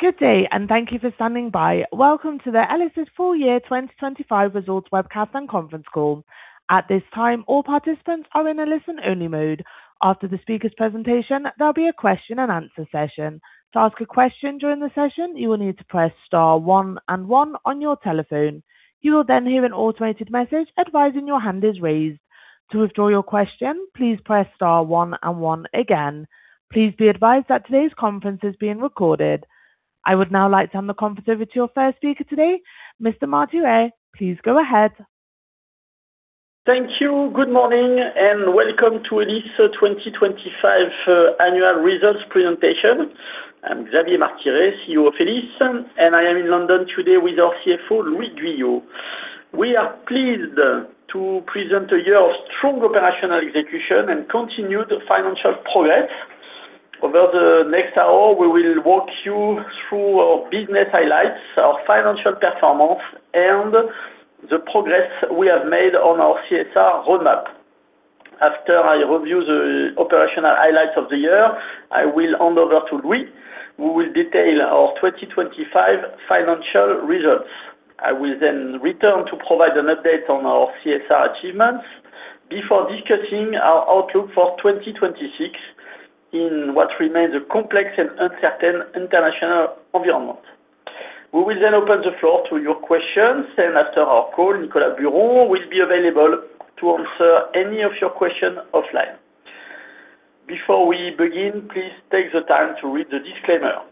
Good day, thank you for standing by. Welcome to the Elis full year 2025 results webcast and conference call. At this time, all participants are in a listen-only mode. After the speaker's presentation, there'll be a question-and-answer session. To ask a question during the session, you will need to press star one and one on your telephone. You will then hear an automated message advising your hand is raised. To withdraw your question, please press star one and one again. Please be advised that today's conference is being recorded. I would now like to hand the conference over to your first speaker today, Mr. Martiré. Please go ahead. Thank you. Good morning and welcome to Elis 2025 annual results presentation. I'm Xavier Martiré, CEO of Elis, and I am in London today with our CFO, Louis Guyot. We are pleased to present a year of strong operational execution and continued financial progress. Over the next hour, we will walk you through our business highlights, our financial performance, and the progress we have made on our CSR roadmap. After I review the operational highlights of the year, I will hand over to Louis, who will detail our 2025 financial results. I will then return to provide an update on our CSR achievements before discussing our outlook for 2026 in what remains a complex and uncertain international environment. We will then open the floor to your questions, and after our call, Nicolas Buron will be available to answer any of your questions offline. Before we begin, please take the time to read the disclaimer.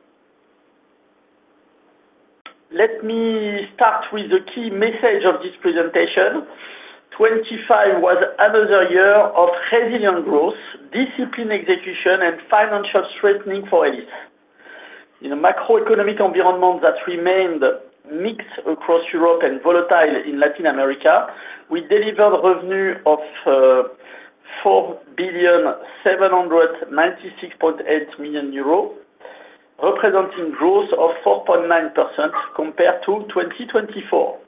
Let me start with the key message of this presentation. 2025 was another year of resilient growth, disciplined execution, and financial strengthening for Elis. In a macroeconomic environment that remained mixed across Europe and volatile in Latin America, we delivered revenue of 4,796.8 million euros, representing growth of 4.9% compared to 2024.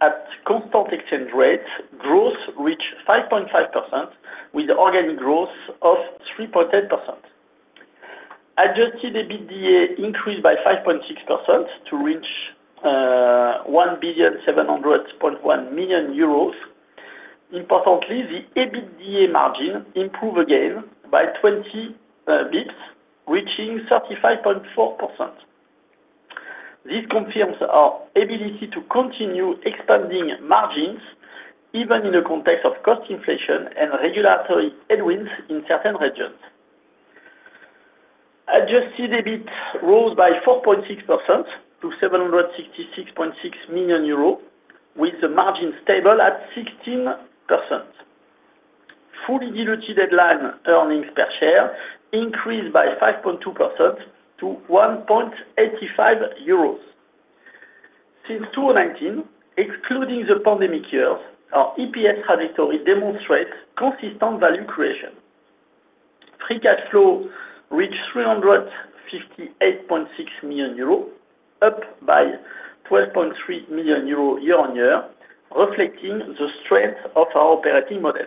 At constant exchange rate, growth reached 5.5%, with organic growth of 3.8%. Adjusted EBITDA increased by 5.6% to reach 1,700.1 million euros. Importantly, the EBITDA margin improved again by 20 basis points, reaching 35.4%. This confirms our ability to continue expanding margins, even in the context of cost inflation and regulatory headwinds in certain regions. Adjusted EBIT rose by 4.6% to 766.6 million euros, with the margin stable at 16%. Fully diluted earnings per share increased by 5.2% to 1.85 euros. Since 2019, excluding the pandemic years, our EPS trajectory demonstrates consistent value creation. Free cash flow reached 358.6 million euros, up by 12.3 million euros year-on-year, reflecting the strength of our operating model.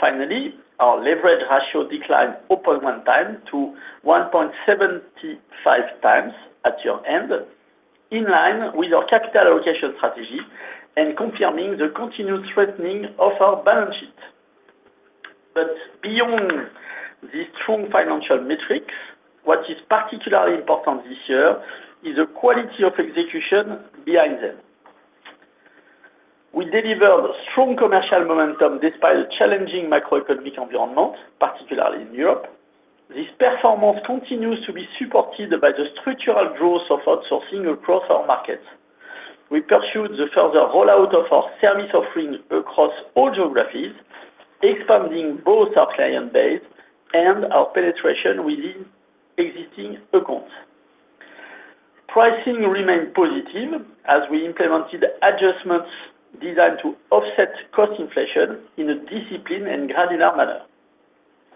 Finally, our leverage ratio declined 0.1x to 1.75x at year-end, in line with our capital allocation strategy and confirming the continued strengthening of our balance sheet. Beyond the strong financial metrics, what is particularly important this year is the quality of execution behind them. We delivered strong commercial momentum despite a challenging macroeconomic environment, particularly in Europe. This performance continues to be supported by the structural growth of outsourcing across our markets. We pursued the further rollout of our service offering across all geographies, expanding both our client base and our penetration within existing accounts. Pricing remained positive as we implemented adjustments designed to offset cost inflation in a disciplined and granular manner.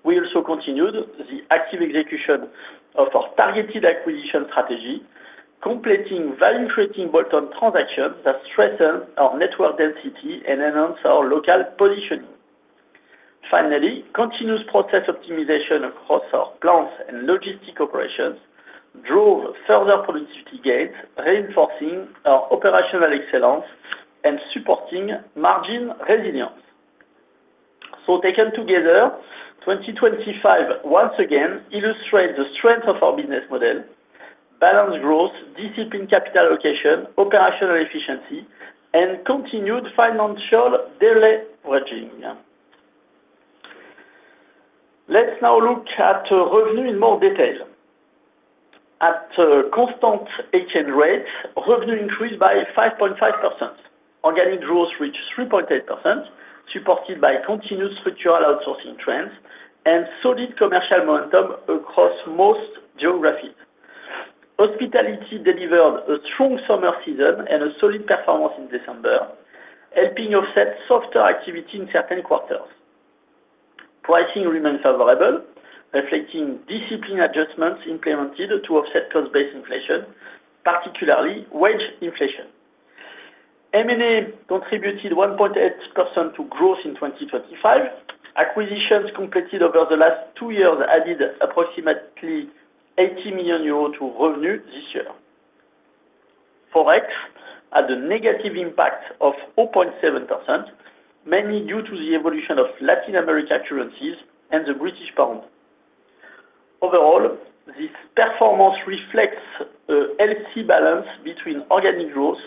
We also continued the active execution of our targeted acquisition strategy, completing value-creating bolt-on transactions that strengthen our network density and enhance our local positioning. Finally, continuous process optimization across our plants and logistic operations drove further productivity gains, reinforcing our operational excellence and supporting margin resilience. Taken together, 2025 once again illustrates the strength of our business model, balanced growth, disciplined capital allocation, operational efficiency, and continued financial deleveraging. Let's now look at revenue in more detail. At constant exchange rate, revenue increased by 5.5%. Organic growth reached 3.8%, supported by continuous structural outsourcing trends and solid commercial momentum across most geographies. Hospitality delivered a strong summer season and a solid performance in December, helping offset softer activity in certain quarters. Pricing remains favorable, reflecting disciplined adjustments implemented to offset cost-based inflation, particularly wage inflation. M&A contributed 1.8% to growth in 2025. Acquisitions completed over the last two years added approximately 80 million euros to revenue this year. Forex had a negative impact of 0.7%, mainly due to the evolution of Latin America currencies and the British pound. Overall, this performance reflects a healthy balance between organic growth,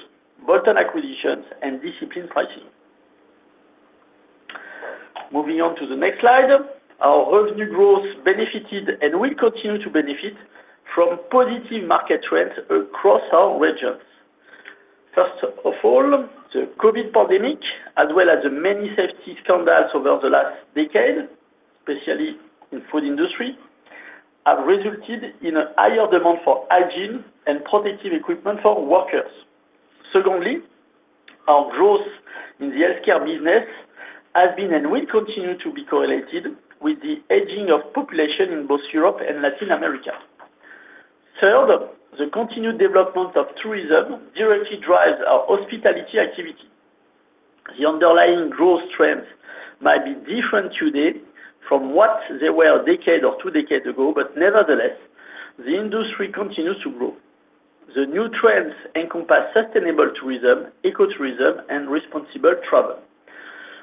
bolt-on acquisitions and disciplined pricing. Moving on to the next slide, our revenue growth benefited and will continue to benefit from positive market trends across our regions. First of all, the COVID pandemic, as well as the many safety scandals over the last decade, especially in food industry, have resulted in a higher demand for hygiene and protective equipment for workers. Secondly, our growth in the healthcare business has been and will continue to be correlated with the aging of population in both Europe and Latin America. Third, the continued development of tourism directly drives our hospitality activity. The underlying growth trends might be different today from what they were a decade or two decades ago, but nevertheless, the industry continues to grow. The new trends encompass sustainable tourism, eco-tourism and responsible travel.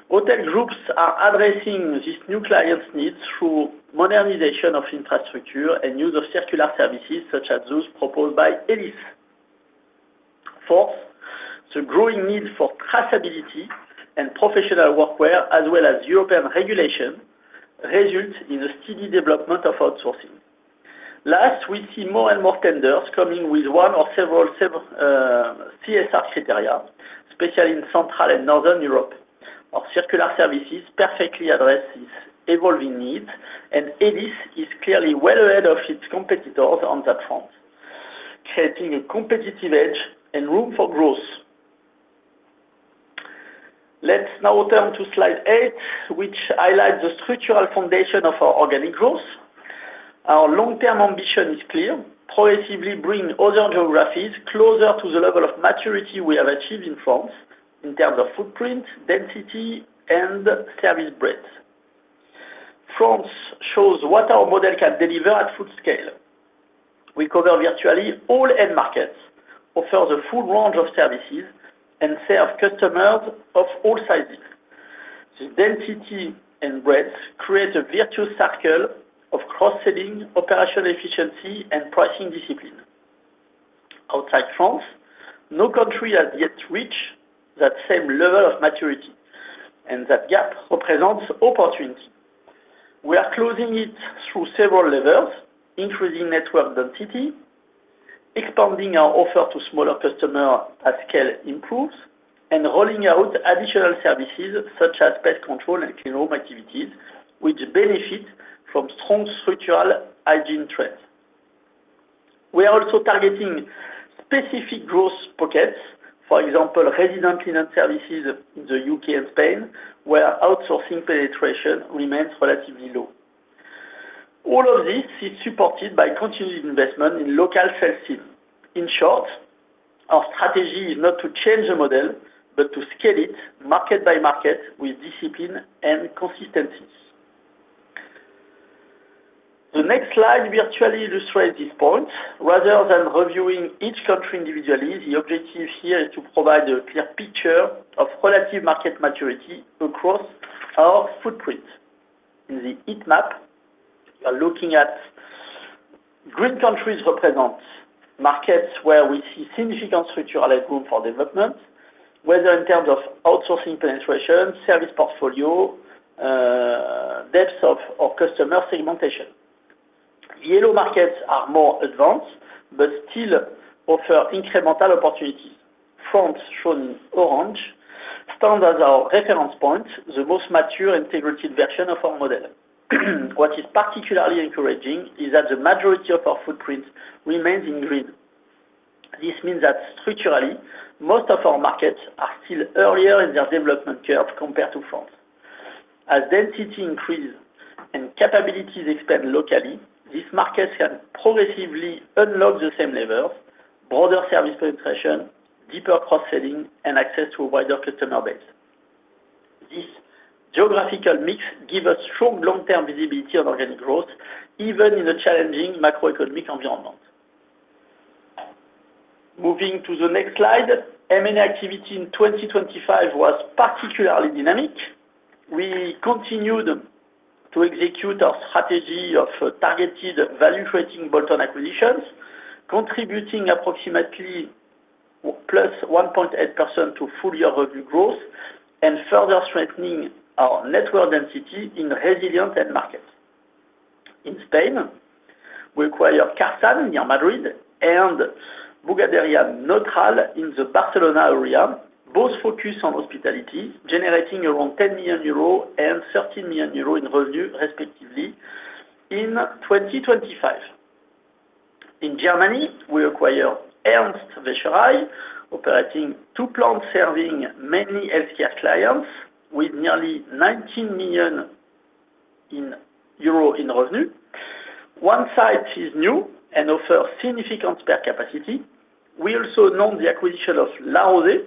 Hotel groups are addressing these new clients' needs through modernization of infrastructure and use of circular services, such as those proposed by Elis. Fourth, the growing need for traceability and professional workwear, as well as European regulation, result in a steady development of outsourcing. Last, we see more and more tenders coming with one or several CSR criteria, especially in Central and Northern Europe. Our circular services perfectly address this evolving need, and Elis is clearly well ahead of its competitors on that front, creating a competitive edge and room for growth. Let's now turn to slide eight, which highlights the structural foundation of our organic growth. Our long-term ambition is clear, progressively bring other geographies closer to the level of maturity we have achieved in France in terms of footprint, density and service breadth. France shows what our model can deliver at full scale. We cover virtually all end markets, offer the full range of services, and serve customers of all sizes. This density and breadth creates a virtuous circle of cross-selling, operational efficiency, and pricing discipline. Outside France, no country has yet reached that same level of maturity, and that gap represents opportunity. We are closing it through several levels, increasing network density, expanding our offer to smaller customers as scale improves, and rolling out additional services such as pest control and clean room activities, which benefit from strong structural hygiene trends. We are also targeting specific growth pockets, for example, resident cleaning services in the U.K. and Spain, where outsourcing penetration remains relatively low. All of this is supported by continued investment in local sales teams. In short, our strategy is not to change the model, but to scale it market by market with discipline and consistency. The next slide virtually illustrates this point. Rather than reviewing each country individually, the objective here is to provide a clear picture of relative market maturity across our footprint. In the heat map, we are looking at green countries represent markets where we see significant structural room for development, whether in terms of outsourcing penetration, service portfolio, depth of customer segmentation. Yellow markets are more advanced, but still offer incremental opportunity. France, shown in orange, stands as our reference point, the most mature integrated version of our model. What is particularly encouraging is that the majority of our footprint remains in green. This means that structurally, most of our markets are still earlier in their development curve compared to France. As density increase and capabilities expand locally, these markets can progressively unlock the same levers, broader service penetration, deeper cross-selling, and access to a wider customer base. This geographical mix give us strong long-term visibility on organic growth, even in a challenging macroeconomic environment. Moving to the next slide, M&A activity in 2025 was particularly dynamic. We continued to execute our strategy of targeted value-creating bolt-on acquisitions, contributing approximately +1.8% to full-year revenue growth and further strengthening our network density in resilient end markets. In Spain, we acquired Carsan near Madrid and Bugaderia Neutral in the Barcelona area, both focused on hospitality, generating around 10 million euros and 13 million euros in revenue respectively in 2025. In Germany, we acquired Wäscherei Ernst, operating two plants serving many healthcare clients with nearly 19 million euro in revenue. One site is new and offers significant spare capacity. We also announced the acquisition of Larosé,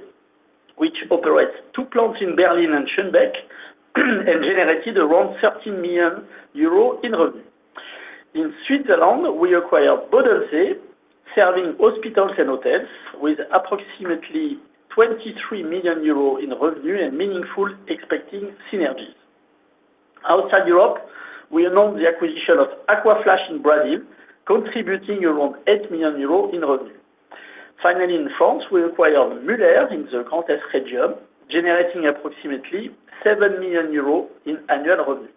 which operates two plants in Berlin and Schönebeck and generated around 30 million euros in revenue. In Switzerland, we acquired Wäscherei Bodensee, serving hospitals and hotels with approximately 23 million euros in revenue and meaningful expected synergies. Outside Europe, we announced the acquisition of Acquaflash in Brazil, contributing around 8 million euros in revenue. Finally, in France, we acquired Muller in the Grand Est, generating approximately 7 million euros in annual revenue.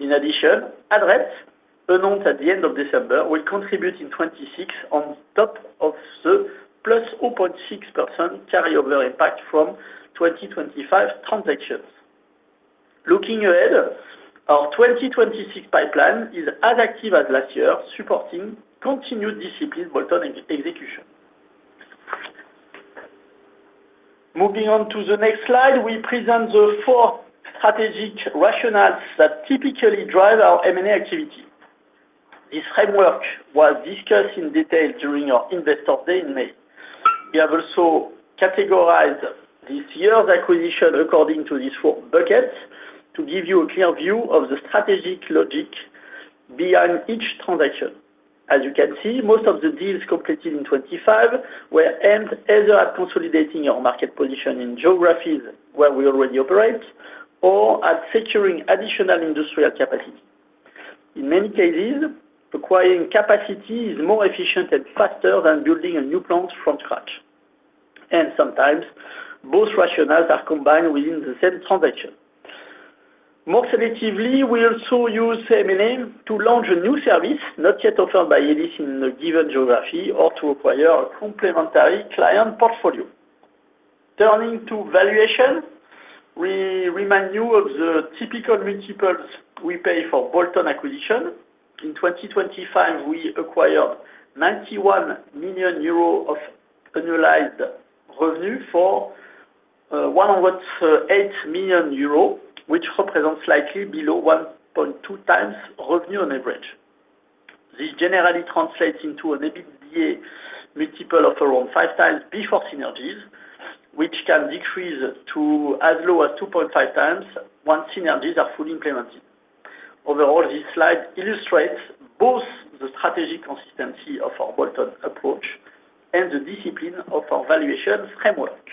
In addition, Adrets, announced at the end of December, will contribute in 2026 on top of the +0.6% carryover impact from 2025 transactions. Looking ahead, our 2026 pipeline is as active as last year, supporting continued disciplined bolt-on execution. Moving on to the next slide, we present the four strategic rationales that typically drive our M&A activity. This framework was discussed in detail during our Investor Day in May. We have also categorized this year's acquisition according to these four buckets to give you a clear view of the strategic logic behind each transaction. As you can see, most of the deals completed in 2025 were aimed either at consolidating our market position in geographies where we already operate or at securing additional industrial capacity. In many cases, acquiring capacity is more efficient and faster than building a new plant from scratch, and sometimes both rationales are combined within the same transaction. More selectively, we also use M&A to launch a new service not yet offered by Elis in a given geography or to acquire a complementary client portfolio. Turning to valuation, we remind you of the typical multiples we pay for bolt-on acquisition. In 2025, we acquired 91 million euro of annualized revenue for 108 million euro which represents slightly below 1.2x revenue on average. This generally translates into an EBITDA multiple of around 5x before synergies, which can decrease to as low as 2.5x once synergies are fully implemented. Overall, this slide illustrates both the strategic consistency of our bolt-on approach and the discipline of our valuations framework.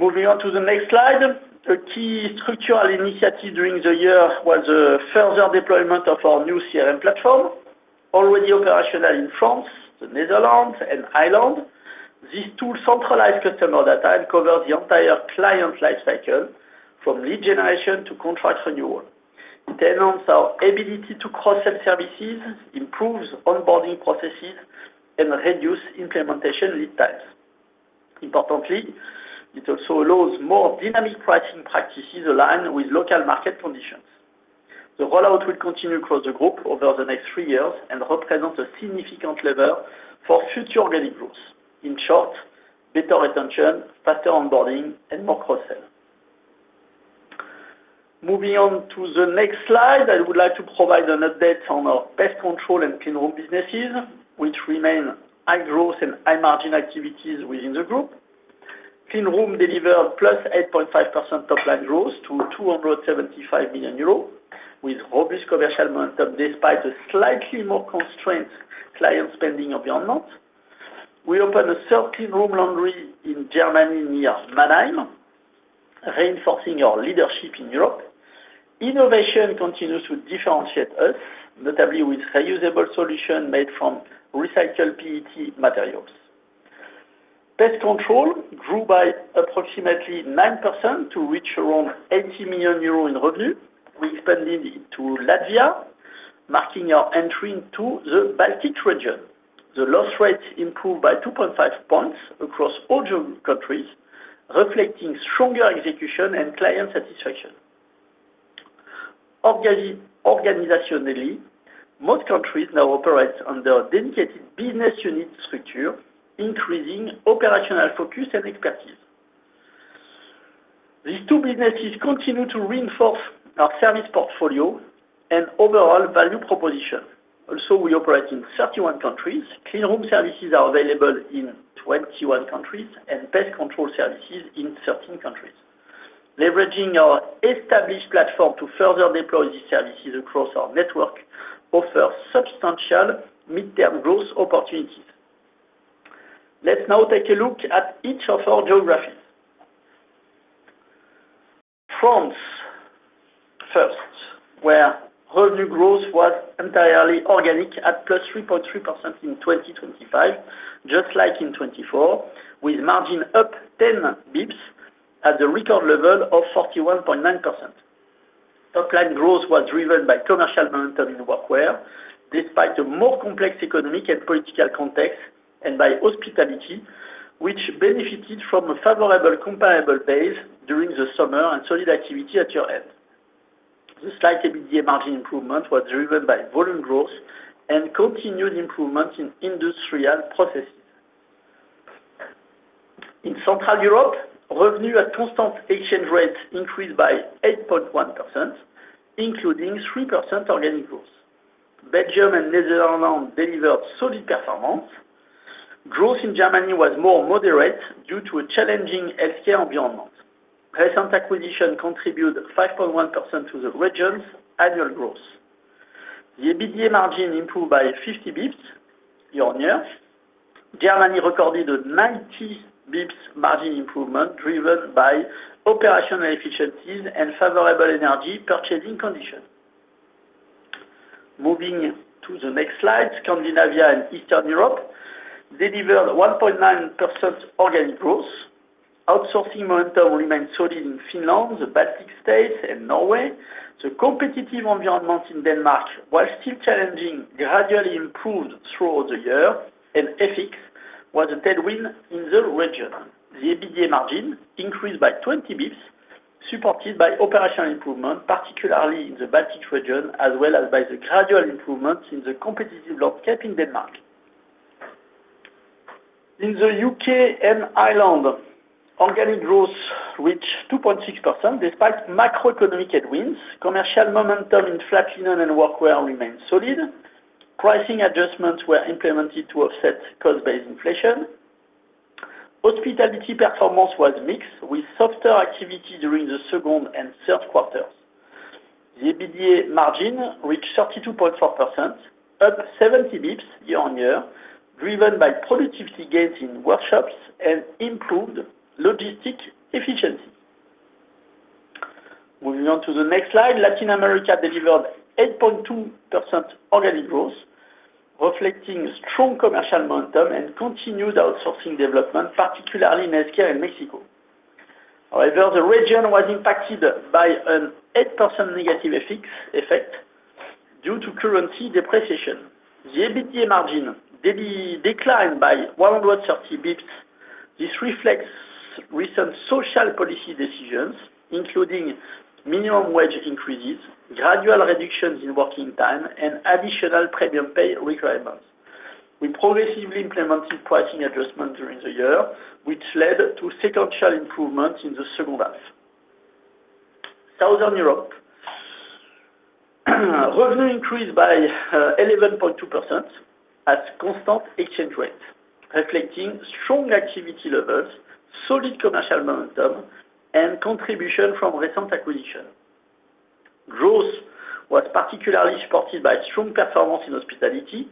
Moving on to the next slide. A key structural initiative during the year was a further deployment of our new CRM platform. Already operational in France, the Netherlands, and Ireland, this tool centralizes customer data and covers the entire client life cycle from lead generation to contract renewal. It enhances our ability to cross-sell services, improves onboarding processes, and reduces implementation lead times. Importantly, it also allows more dynamic pricing practices aligned with local market conditions. The rollout will continue across the group over the next three years and represents a significant lever for future organic growth. In short, better retention, faster onboarding, and more cross-sell. Moving on to the next slide, I would like to provide an update on our pest control and clean room businesses, which remain high growth and high margin activities within the group. Clean room delivered +8.5% top line growth to 275 million euros with robust commercial momentum despite a slightly more constrained client spending environment. We opened a third clean room laundry in Germany near Mannheim, reinforcing our leadership in Europe. Innovation continues to differentiate us, notably with reusable solution made from recycled PET materials. Pest control grew by approximately 9% to reach around 80 million euros in revenue. We expanded into Latvia, marking our entry into the Baltic region. The loss rate improved by 2.5 points across all geo-countries, reflecting stronger execution and client satisfaction. Organizationally, most countries now operate under a dedicated business unit structure, increasing operational focus and expertise. These two businesses continue to reinforce our service portfolio and overall value proposition. Also, we operate in 31 countries. Clean room services are available in 21 countries and pest control services in 13 countries. Leveraging our established platform to further deploy these services across our network offers substantial mid-term growth opportunities. Let's now take a look at each of our geographies. France first, where revenue growth was entirely organic at +3.3% in 2025, just like in 2024, with margin up ten basis points at the record level of 41.9%. Top-line growth was driven by commercial momentum in workwear despite a more complex economic and political context, and by hospitality, which benefited from a favorable comparable base during the summer and solid activity at year-end. The slight EBITDA margin improvement was driven by volume growth and continued improvement in industrial processing. In Central Europe, revenue at constant exchange rates increased by 8.1%, including 3% organic growth. Belgium and Netherlands delivered solid performance. Growth in Germany was more moderate due to a challenging healthcare environment. Recent acquisition contributed 5.1% to the region's annual growth. The EBITDA margin improved by 50 basis points year-on-year. Germany recorded a 90 basis points margin improvement, driven by operational efficiencies and favorable energy purchasing condition. Moving to the next slide, Scandinavia and Eastern Europe delivered 1.9% organic growth. Outsourcing momentum remained solid in Finland, the Baltic States, and Norway. The competitive environment in Denmark, while still challenging, gradually improved throughout the year, and FX was a tailwind in the region. The EBITDA margin increased by 20 basis points, supported by operational improvement, particularly in the Baltic region, as well as by the gradual improvement in the competitive landscape in Denmark. In the U.K. and Ireland, organic growth reached 2.6% despite macroeconomic headwinds. Commercial momentum in flat linen and workwear remained solid. Pricing adjustments were implemented to offset cost-based inflation. Hospitality performance was mixed, with softer activity during the second and third quarters. The EBITDA margin reached 32.4%, up 70 basis points year-on-year, driven by productivity gains in workshops and improved logistic efficiency. Moving on to the next slide, Latin America delivered 8.2% organic growth, reflecting strong commercial momentum and continued outsourcing development, particularly in healthcare and Mexico. However, the region was impacted by an 8% negative FX effect due to currency depreciation. The EBITDA margin declined by 130 basis points. This reflects recent social policy decisions, including minimum wage increases, gradual reductions in working time, and additional premium pay requirements. We progressively implemented pricing adjustment during the year, which led to sequential improvement in the second half. Southern Europe revenue increased by 11.2% at constant exchange rate, reflecting strong activity levels, solid commercial momentum, and contribution from recent acquisition. Growth was particularly supported by strong performance in hospitality,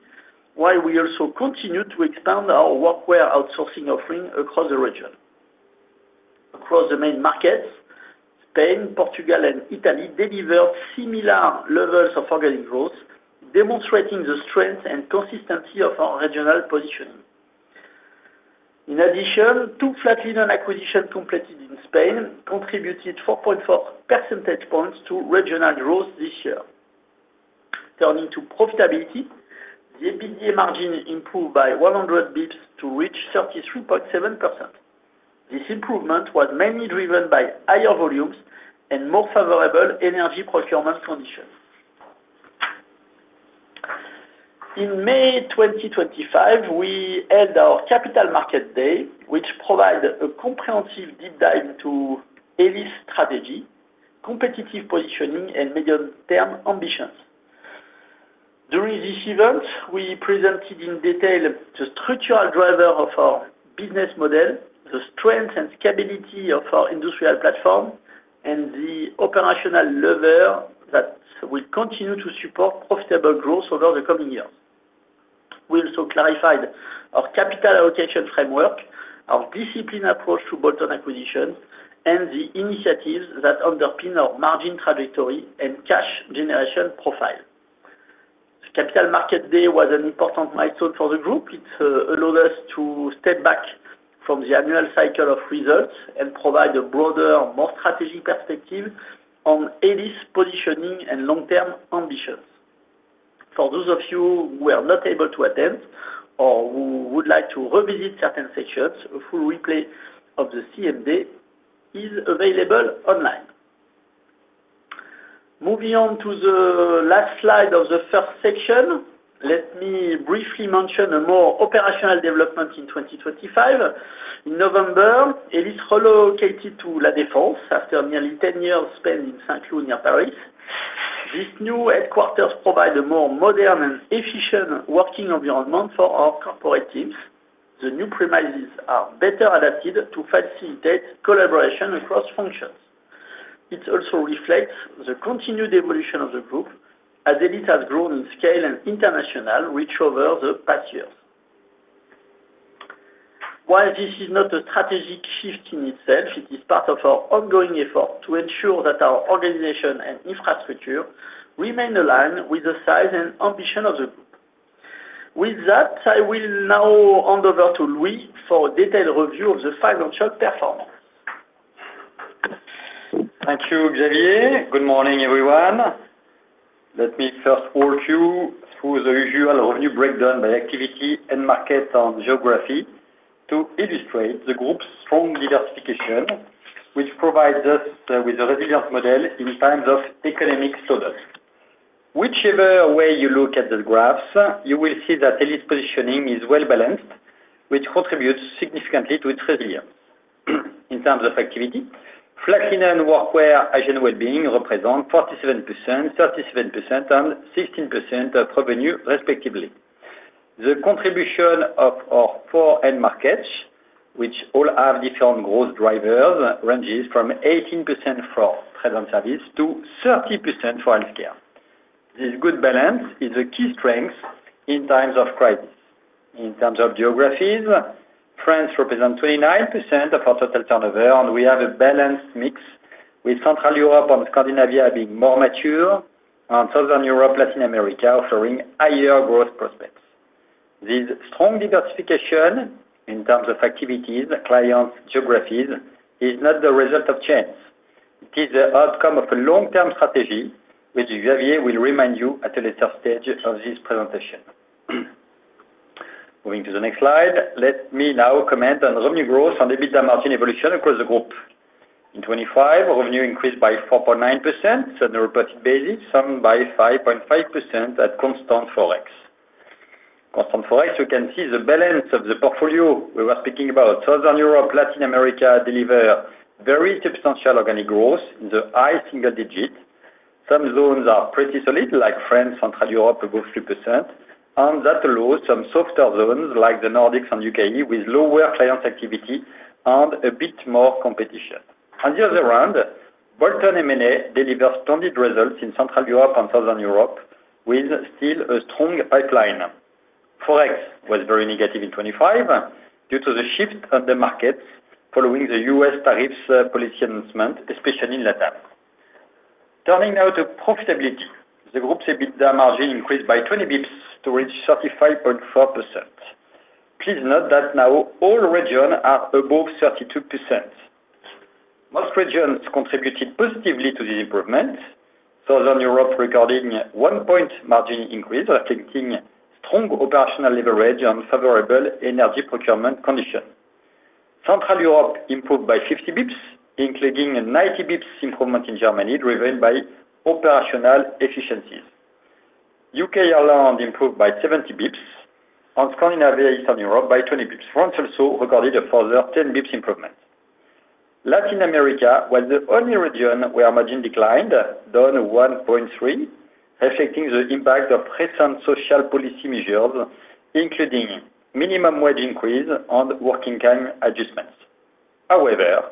while we also continued to expand our workwear outsourcing offering across the region. Across the main markets, Spain, Portugal, and Italy delivered similar levels of organic growth, demonstrating the strength and consistency of our regional positioning. In addition, two flat linen acquisitions completed in Spain contributed 4.4 percentage points to regional growth this year. Turning to profitability, the EBITDA margin improved by 100 basis points to reach 33.7%. This improvement was mainly driven by higher volumes and more favorable energy procurement conditions. In May 2025, we held our Capital Markets Day, which provided a comprehensive deep dive to Elis' strategy, competitive positioning, and medium-term ambitions. During this event, we presented in detail the structural driver of our business model, the strength and scalability of our industrial platform, and the operational lever that will continue to support profitable growth over the coming years. We also clarified our capital allocation framework, our disciplined approach to bolt-on acquisition, and the initiatives that underpin our margin trajectory and cash generation profile. The Capital Markets Day was an important milestone for the group. It allowed us to step back from the annual cycle of results and provide a broader, more strategic perspective on Elis' positioning and long-term ambitions. For those of you who were not able to attend or who would like to revisit certain sections, a full replay of the CMD is available online. Moving on to the last slide of the first section, let me briefly mention a more operational development in 2025. In November, Elis relocated to La Défense after nearly 10 years spent in Saint-Cloud near Paris. This new headquarters provide a more modern and efficient working environment for our corporate teams. The new premises are better adapted to facilitate collaboration across functions. It also reflects the continued evolution of the group as Elis has grown in scale and international reach over the past years. While this is not a strategic shift in itself, it is part of our ongoing effort to ensure that our organization and infrastructure remain aligned with the size and ambition of the group. With that, I will now hand over to Louis for a detailed review of the five-month chart performance. Thank you, Xavier. Good morning, everyone. Let me first walk you through the usual revenue breakdown by activity and market on geography to illustrate the group's strong diversification, which provides us with a resilient model in times of economic slowdown. Whichever way you look at the graphs, you will see that Elis positioning is well-balanced, which contributes significantly to its resilience. In terms of activity, flat linen, workwear, hygiene and well-being represent 47%, 37%, and 16% of revenue respectively. The contribution of our four end markets, which all have different growth drivers, ranges from 18% for trade and service to 30% for healthcare. This good balance is a key strength in times of crisis. In terms of geographies, France represents 29% of our total turnover, and we have a balanced mix, with Central Europe and Scandinavia being more mature, and Southern Europe, Latin America offering higher growth prospects. This strong diversification in terms of activities, clients, geographies is not the result of chance. It is the outcome of a long-term strategy, which Xavier will remind you at a later stage of this presentation. Moving to the next slide, let me now comment on revenue growth and EBITDA margin evolution across the group. In 2025, revenue increased by 4.9% on a reported basis, and by 5.5% at constant Forex. Constant Forex, you can see the balance of the portfolio we were speaking about. Southern Europe, Latin America deliver very substantial organic growth in the high single digits. Some zones are pretty solid, like France, Central Europe above 2%, and that allows some softer zones like the Nordics and U.K. with lower client activity and a bit more competition. On the other hand, bolt-on M&A delivered standard results in Central Europe and Southern Europe with still a strong pipeline. Forex was very negative in 2025 due to the shift of the markets following the U.S. tariffs policy announcement, especially in LatAm. Turning now to profitability, the group's EBITDA margin increased by 20 basis points to reach 35.4%. Please note that now all regions are above 32%. Most regions contributed positively to this improvement. Southern Europe recording one-point margin increase, reflecting strong operational leverage and favorable energy procurement conditions. Central Europe improved by 50 basis points, including a 90 basis points improvement in Germany, driven by operational efficiencies. U.K. alone improved by 70 basis points, and Scandinavia, Eastern Europe by 20 basis points. France also recorded a further 10 basis points improvement. Latin America was the only region where margin declined, down 1.3%, affected by the impact of recent social policy measures, including minimum wage increase and working time adjustments. However,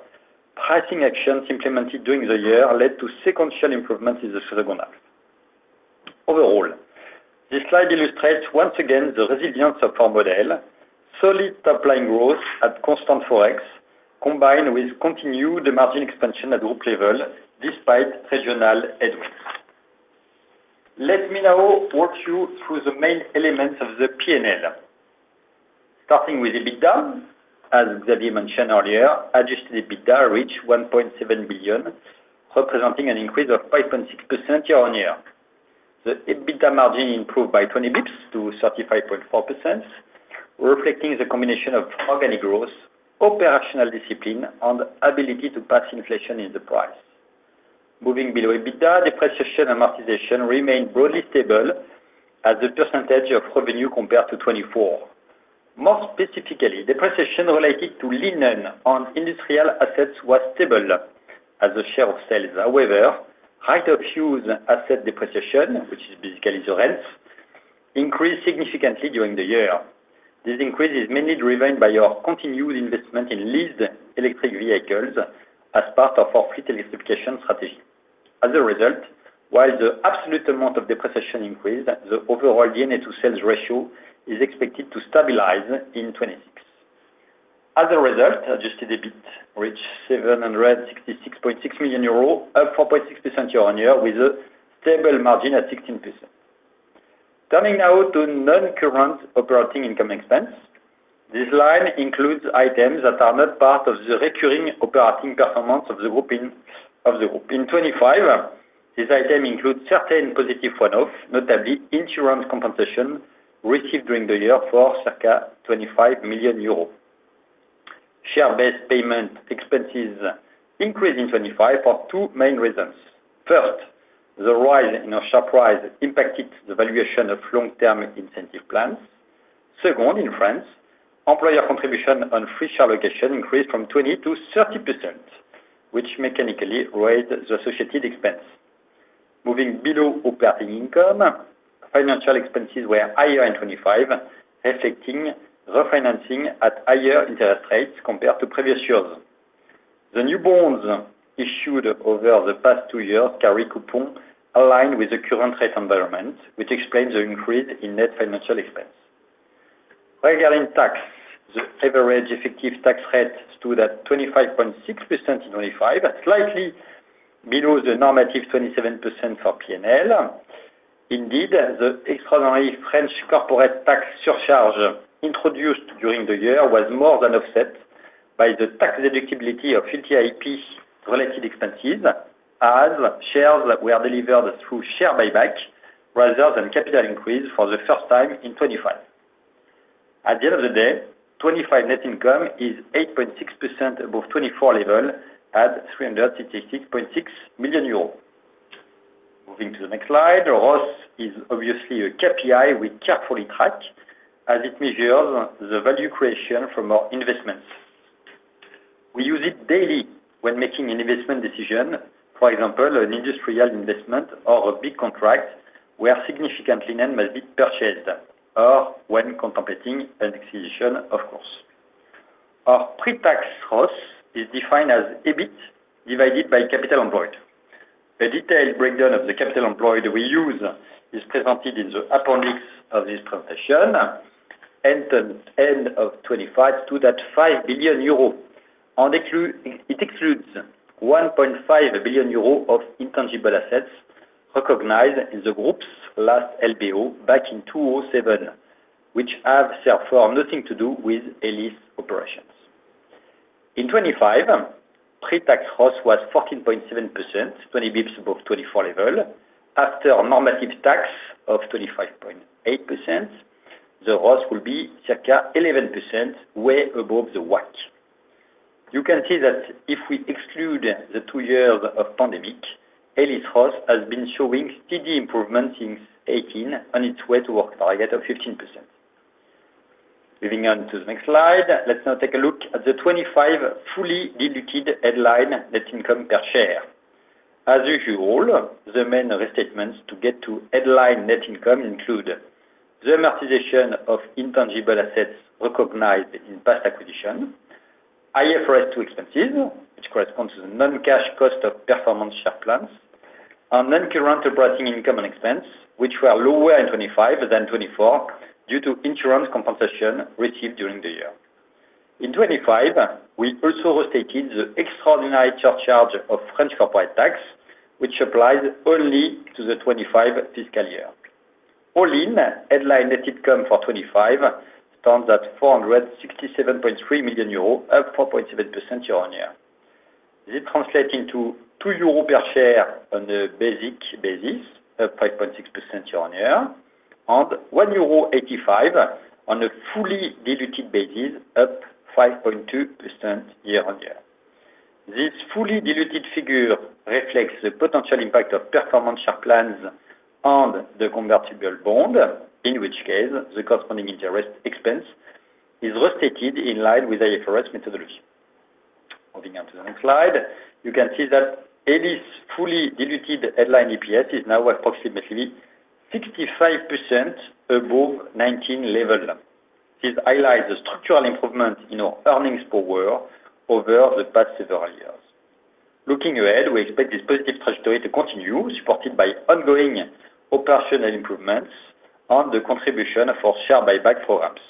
pricing actions implemented during the year led to sequential improvements in the second half. Overall, this slide illustrates once again the resilience of our model, solid top-line growth at constant Forex, combined with continued margin expansion at group level despite regional headwinds. Let me now walk you through the main elements of the P&L. Starting with EBITDA, as Xavier mentioned earlier, adjusted EBITDA reached 1.7 billion, representing an increase of 5.6% year-on-year. The EBITDA margin improved by 20 basis points to 35.4%, reflecting the combination of organic growth, operational discipline and ability to pass inflation in the price. Moving below EBITDA, depreciation and amortization remained broadly stable as a percentage of revenue compared to 24%. More specifically, depreciation related to linen on industrial assets was stable as a share of sales. However, higher fixed asset depreciation, which is basically the rents, increased significantly during the year. This increase is mainly driven by our continued investment in leased electric vehicles as part of our fleet electrification strategy. As a result, while the absolute amount of depreciation increased, the overall D&A to sales ratio is expected to stabilize in 26%. As a result, adjusted EBIT reached 766.6 million euros, up 4.6% year-over-year, with a stable margin at 16%. Coming now to non-current operating income expense. This line includes items that are not part of the recurring operating performance of the group. In 2025, this item includes certain positive one-off, notably insurance compensation received during the year for circa 25 million euros. Share-based payment expenses increased in 2025 for two main reasons. First, the rise in our share price impacted the valuation of long-term incentive plans. Second, in France, employer contribution on free share allocation increased from 20%-30%, which mechanically raised the associated expense. Moving below operating income, financial expenses were higher in 2025, affecting refinancing at higher interest rates compared to previous years. The new bonds issued over the past two years carry coupon aligned with the current rate environment, which explains the increase in net financial expense. Regarding tax, the average effective tax rate stood at 25.6% in 2025, slightly below the normative 27% for P&L. Indeed, the extraordinary French corporate tax surcharge introduced during the year was more than offset by the tax deductibility of LTIP-related expenses, as shares were delivered through share buyback rather than capital increase for the first time in 2025. At the end of the day, 2025 net income is 8.6% above 2024 level at 366.6 million euros. Moving to the next slide, ROS is obviously a KPI we carefully track as it measures the value creation from our investments. We use it daily when making an investment decision, for example, an industrial investment or a big contract where significant linen must be purchased or when contemplating an acquisition, of course. Our pre-tax ROS is defined as EBIT divided by capital employed. A detailed breakdown of the capital employed we use is presented in the appendix of this presentation at the end of 2025 total of 5 billion euro. It excludes 1.5 billion euro of intangible assets recognized in the group's last LBO back in 2007, which have so far nothing to do with Elis operations. In 2025, pre-tax ROS was 14.7%, 20 basis points above 2024 level. After a normative tax of 25.8%, the ROS will be circa 11% way above the WACC. You can see that if we exclude the two years of pandemic, Elis ROS has been showing steady improvement since 2018 on its way to our target of 15%. Moving on to the next slide. Let's now take a look at the 2025 fully diluted headline net income per share. As usual, the main restatements to get to headline net income include the amortization of intangible assets recognized in past acquisition, IFRS 2 expenses, which corresponds to the non-cash cost of performance share plans, and non-current operating income and expense, which were lower in 2025 than 2024 due to insurance compensation received during the year. In 2025, we also restated the extraordinary surcharge of French corporate tax, which applies only to the 2025 fiscal year. All in, headline net income for 2025 stands at 467.3 million euros, up 4.7% year-on-year. This translate into 2 euros per share on the basic basis, up 5.6% year-on-year, and 1.85 euro on a fully diluted basis, up 5.2% year-on-year. This fully diluted figure reflects the potential impact of performance share plans and the convertible bond, in which case the corresponding interest expense is restated in line with IFRS methodology. Moving on to the next slide. You can see that Elis' fully diluted headline EPS is now approximately 65% above 2019 level. This highlights the structural improvement in our earnings per share over the past several years. Looking ahead, we expect this positive trajectory to continue, supported by ongoing operational improvements and the contribution of our share buyback programs.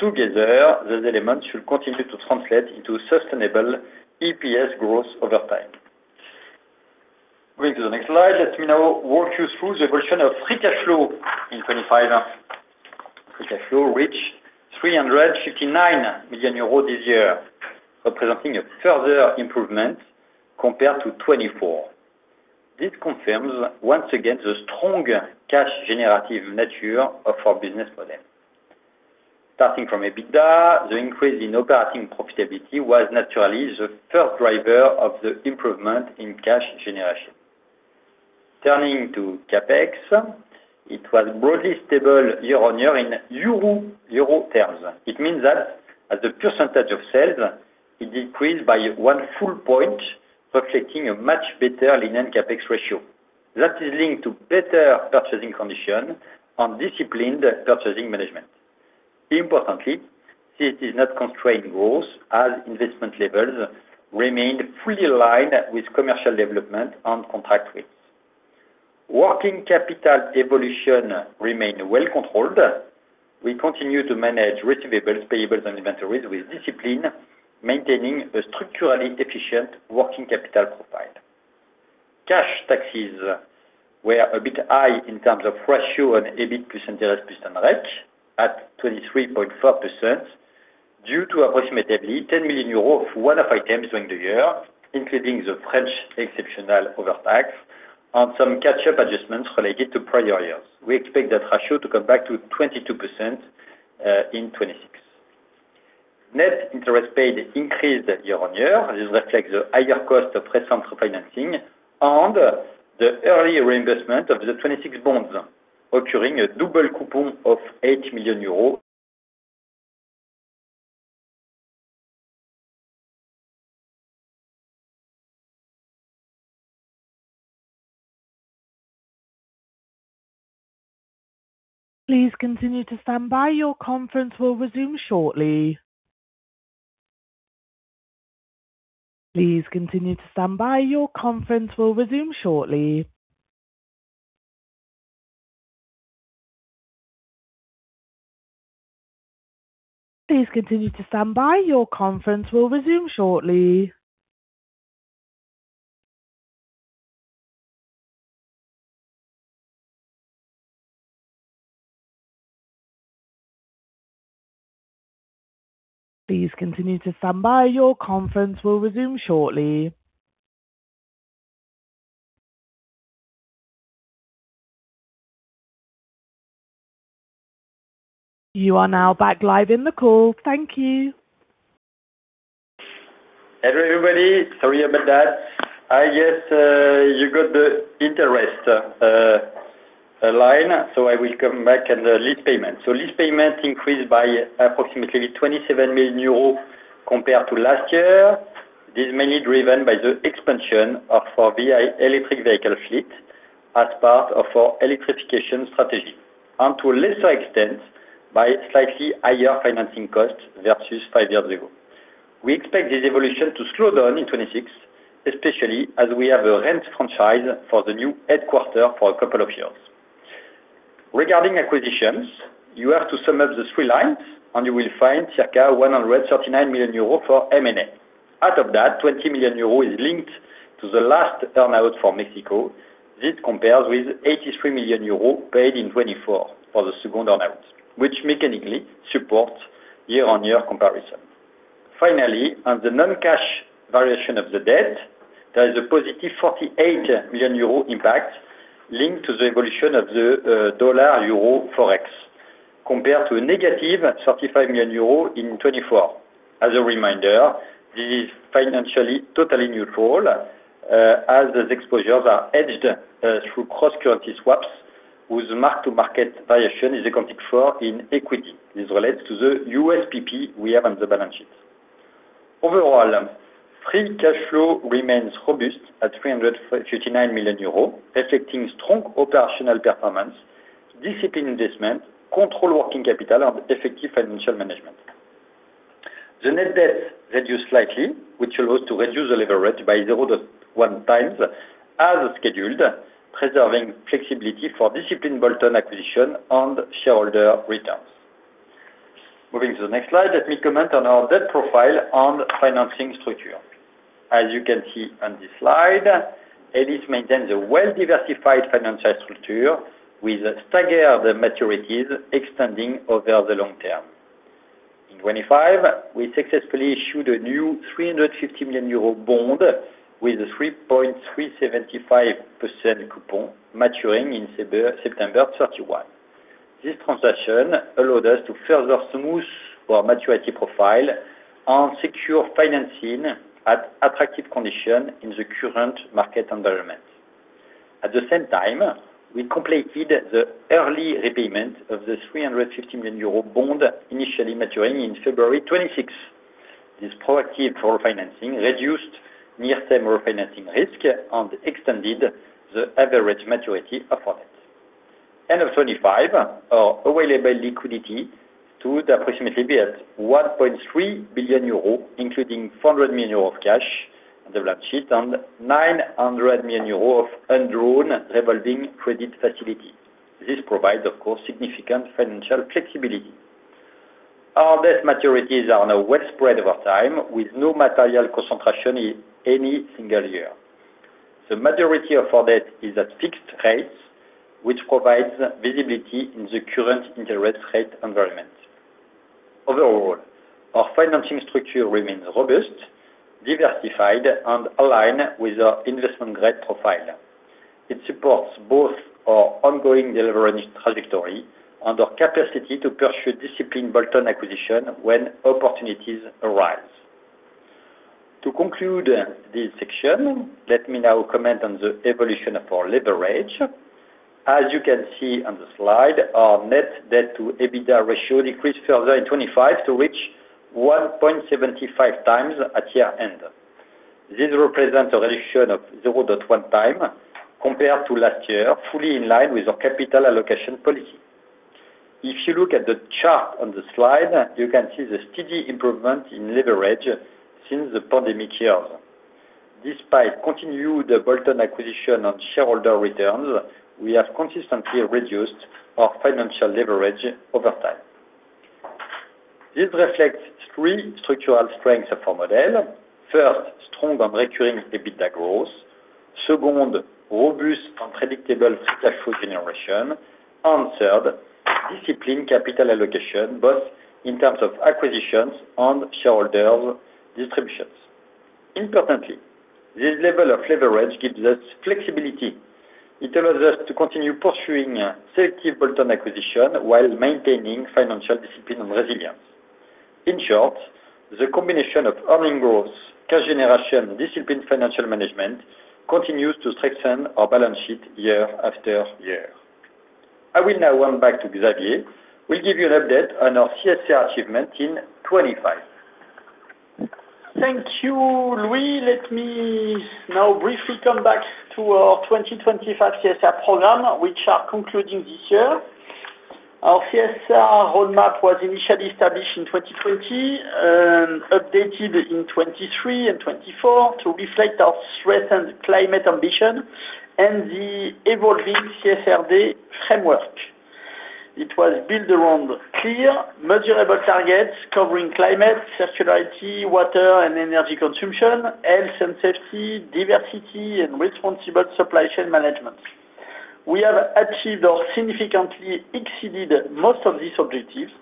Together, these elements should continue to translate into sustainable EPS growth over time. Moving to the next slide. Let me now walk you through the evolution of free cash flow in 2025. Free cash flow reached 359 million euros this year, representing a further improvement compared to 2024. This confirms once again the strong cash generative nature of our business model. Starting from EBITDA, the increase in operating profitability was naturally the first driver of the improvement in cash generation. Turning to CapEx, it was broadly stable year-on-year in euro terms. It means that as the percentage of sales, it decreased by one full point, reflecting a much better leaner CapEx ratio. That is linked to better purchasing conditions and disciplined purchasing management. Importantly, this is not constrained growth as investment levels remained fully aligned with commercial development and contract wins. Working capital evolution remain well controlled. We continue to manage receivables, payables and inventories with discipline, maintaining a structurally efficient working capital profile. Cash taxes were a bit high in terms of ratio on EBIT plus interest plus amortization at 23.4% due to approximately 10 million euros of one-off items during the year, including the French exceptional overtax on some catch-up adjustments related to prior years. We expect that ratio to come back to 22% in 2026. Net interest paid increased year-on-year. This reflects the higher cost of recent refinancing and the early reimbursement of the 2026 bonds, incurring a double coupon of 8 million euros. Please continue to stand by. Your conference will resume shortly. You are now back live in the call. Thank you. Hello, everybody. Sorry about that. I guess you got the interest line, so I will come back on the lease payment. Lease payment increased by approximately 27 million euros compared to last year. This is mainly driven by the expansion of our EV electric vehicle fleet as part of our electrification strategy, and to a lesser extent, by slightly higher financing costs versus five years ago. We expect this evolution to slow down in 2026, especially as we have a rent franchise for the new headquarters for a couple of years. Regarding acquisitions, you have to sum up the three lines and you will find circa 139 million euros for M&A. Out of that, 20 million euros is linked to the last earn-out for Mexico. This compares with 83 million euros paid in 2024 for the second earn-out, which mechanically supports year-on-year comparison. Finally, on the non-cash variation of the debt, there is a positive 48 million euro impact linked to the evolution of the dollar/euro Forex, compared to a negative 35 million euro in 2024. As a reminder, this is financially totally neutral, as the exposures are hedged through cross-currency swaps with mark-to-market variation, which is accounted for in equity. This relates to the USPP we have on the balance sheet. Overall, free cash flow remains robust at 339 million euros, reflecting strong operational performance, disciplined investment, controlling working capital, and effective financial management. The net debt reduced slightly, which allows to reduce the leverage by zero-one times as scheduled, preserving flexibility for disciplined bolt-on acquisition and shareholder returns. Moving to the next slide, let me comment on our debt profile and financing structure. As you can see on this slide, Elis maintains a well-diversified financial structure with staggered maturities extending over the long term. In 2025, we successfully issued a new 350 million euro bond with a 3.375% coupon maturing in September 2031. This transaction allowed us to further smooth our maturity profile and secure financing at attractive condition in the current market environment. At the same time, we completed the early repayment of the 350 million euro bond initially maturing in February 2026. This proactive refinancing reduced near-term refinancing risk and extended the average maturity of our debt. End of 2025, our available liquidity stood approximately at 1.3 billion euro, including 400 million euro of cash on the balance sheet and 900 million euro of undrawn revolving credit facility. This provides, of course, significant financial flexibility. Our debt maturities are now well spread over time, with no material concentration in any single year. The maturity of our debt is at fixed rates, which provides visibility in the current interest rate environment. Overall, our financing structure remains robust, diversified, and aligned with our investment-grade profile. It supports both our ongoing deleveraged trajectory and our capacity to pursue disciplined bolt-on acquisition when opportunities arise. To conclude this section, let me now comment on the evolution of our leverage. As you can see on the slide, our net debt to EBITDA ratio decreased further in 2025 to reach 1.75x at year-end. This represents a reduction of 0.1 time compared to last year, fully in line with our capital allocation policy. If you look at the chart on the slide, you can see the steady improvement in leverage since the pandemic years. Despite continued bolt-on acquisitions and shareholder returns, we have consistently reduced our financial leverage over time. This reflects three structural strengths of our model. First, strong and recurring EBITDA growth. Second, robust and predictable free cash flow generation. Third, disciplined capital allocation, both in terms of acquisitions and shareholder distributions. Importantly, this level of leverage gives us flexibility. It allows us to continue pursuing selective bolt-on acquisitions while maintaining financial discipline and resilience. In short, the combination of earnings goals, cash generation, disciplined financial management continues to strengthen our balance sheet year after year. I will now hand back to Xavier, who will give you an update on our CSR achievements in 2025. Thank you, Louis. Let me now briefly come back to our 2025 CSR program, which are concluding this year. Our CSR roadmap was initially established in 2020 and updated in 2023 and 2024 to reflect our strengthened climate ambition and the evolving CSRD framework. It was built around clear, measurable targets covering climate, circularity, water and energy consumption, health and safety, diversity, and responsible supply chain management. We have achieved or significantly exceeded most of these objectives.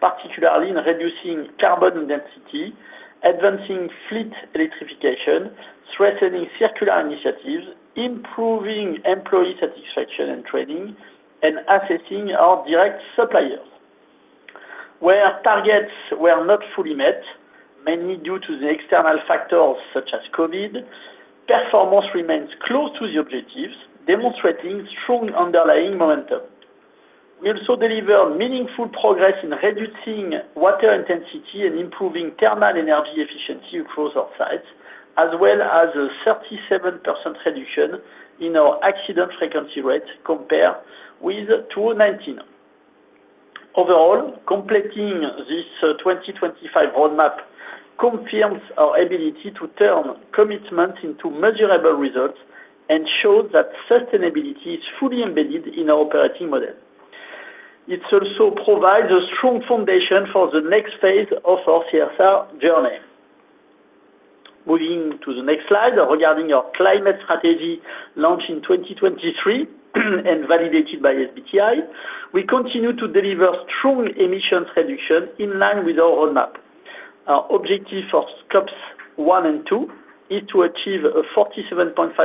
Particularly in reducing carbon intensity, advancing fleet electrification, strengthening circular initiatives, improving employee satisfaction and training, and assessing our direct suppliers. Where targets were not fully met, mainly due to the external factors such as COVID, performance remains close to the objectives, demonstrating strong underlying momentum. We also delivered meaningful progress in reducing water intensity and improving thermal energy efficiency across our sites, as well as a 37% reduction in our accident frequency rate compared with 2019. Overall, completing this 2025 roadmap confirms our ability to turn commitment into measurable results and shows that sustainability is fully embedded in our operating model. It also provides a strong foundation for the next phase of our CSR journey. Moving to the next slide regarding our climate strategy launched in 2023 and validated by SBTi, we continue to deliver strong emissions reduction in line with our roadmap. Our objective for scopes one and two is to achieve a 47.5%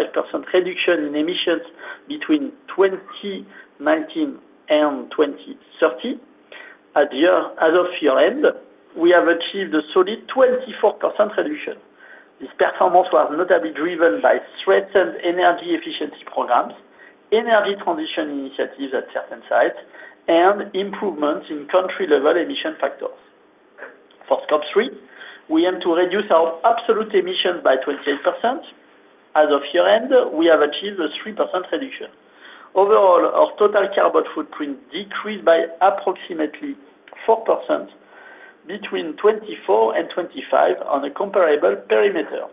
reduction in emissions between 2019 and 2030. As of year-end, we have achieved a solid 24% reduction. This performance was notably driven by strengthened energy efficiency programs, energy transition initiatives at certain sites, and improvements in country-level emission factors. For scope three, we aim to reduce our absolute emission by 28%. As of year-end, we have achieved a 3% reduction. Overall, our total carbon footprint decreased by approximately 4% between 2024 and 2025 on a comparable perimeter.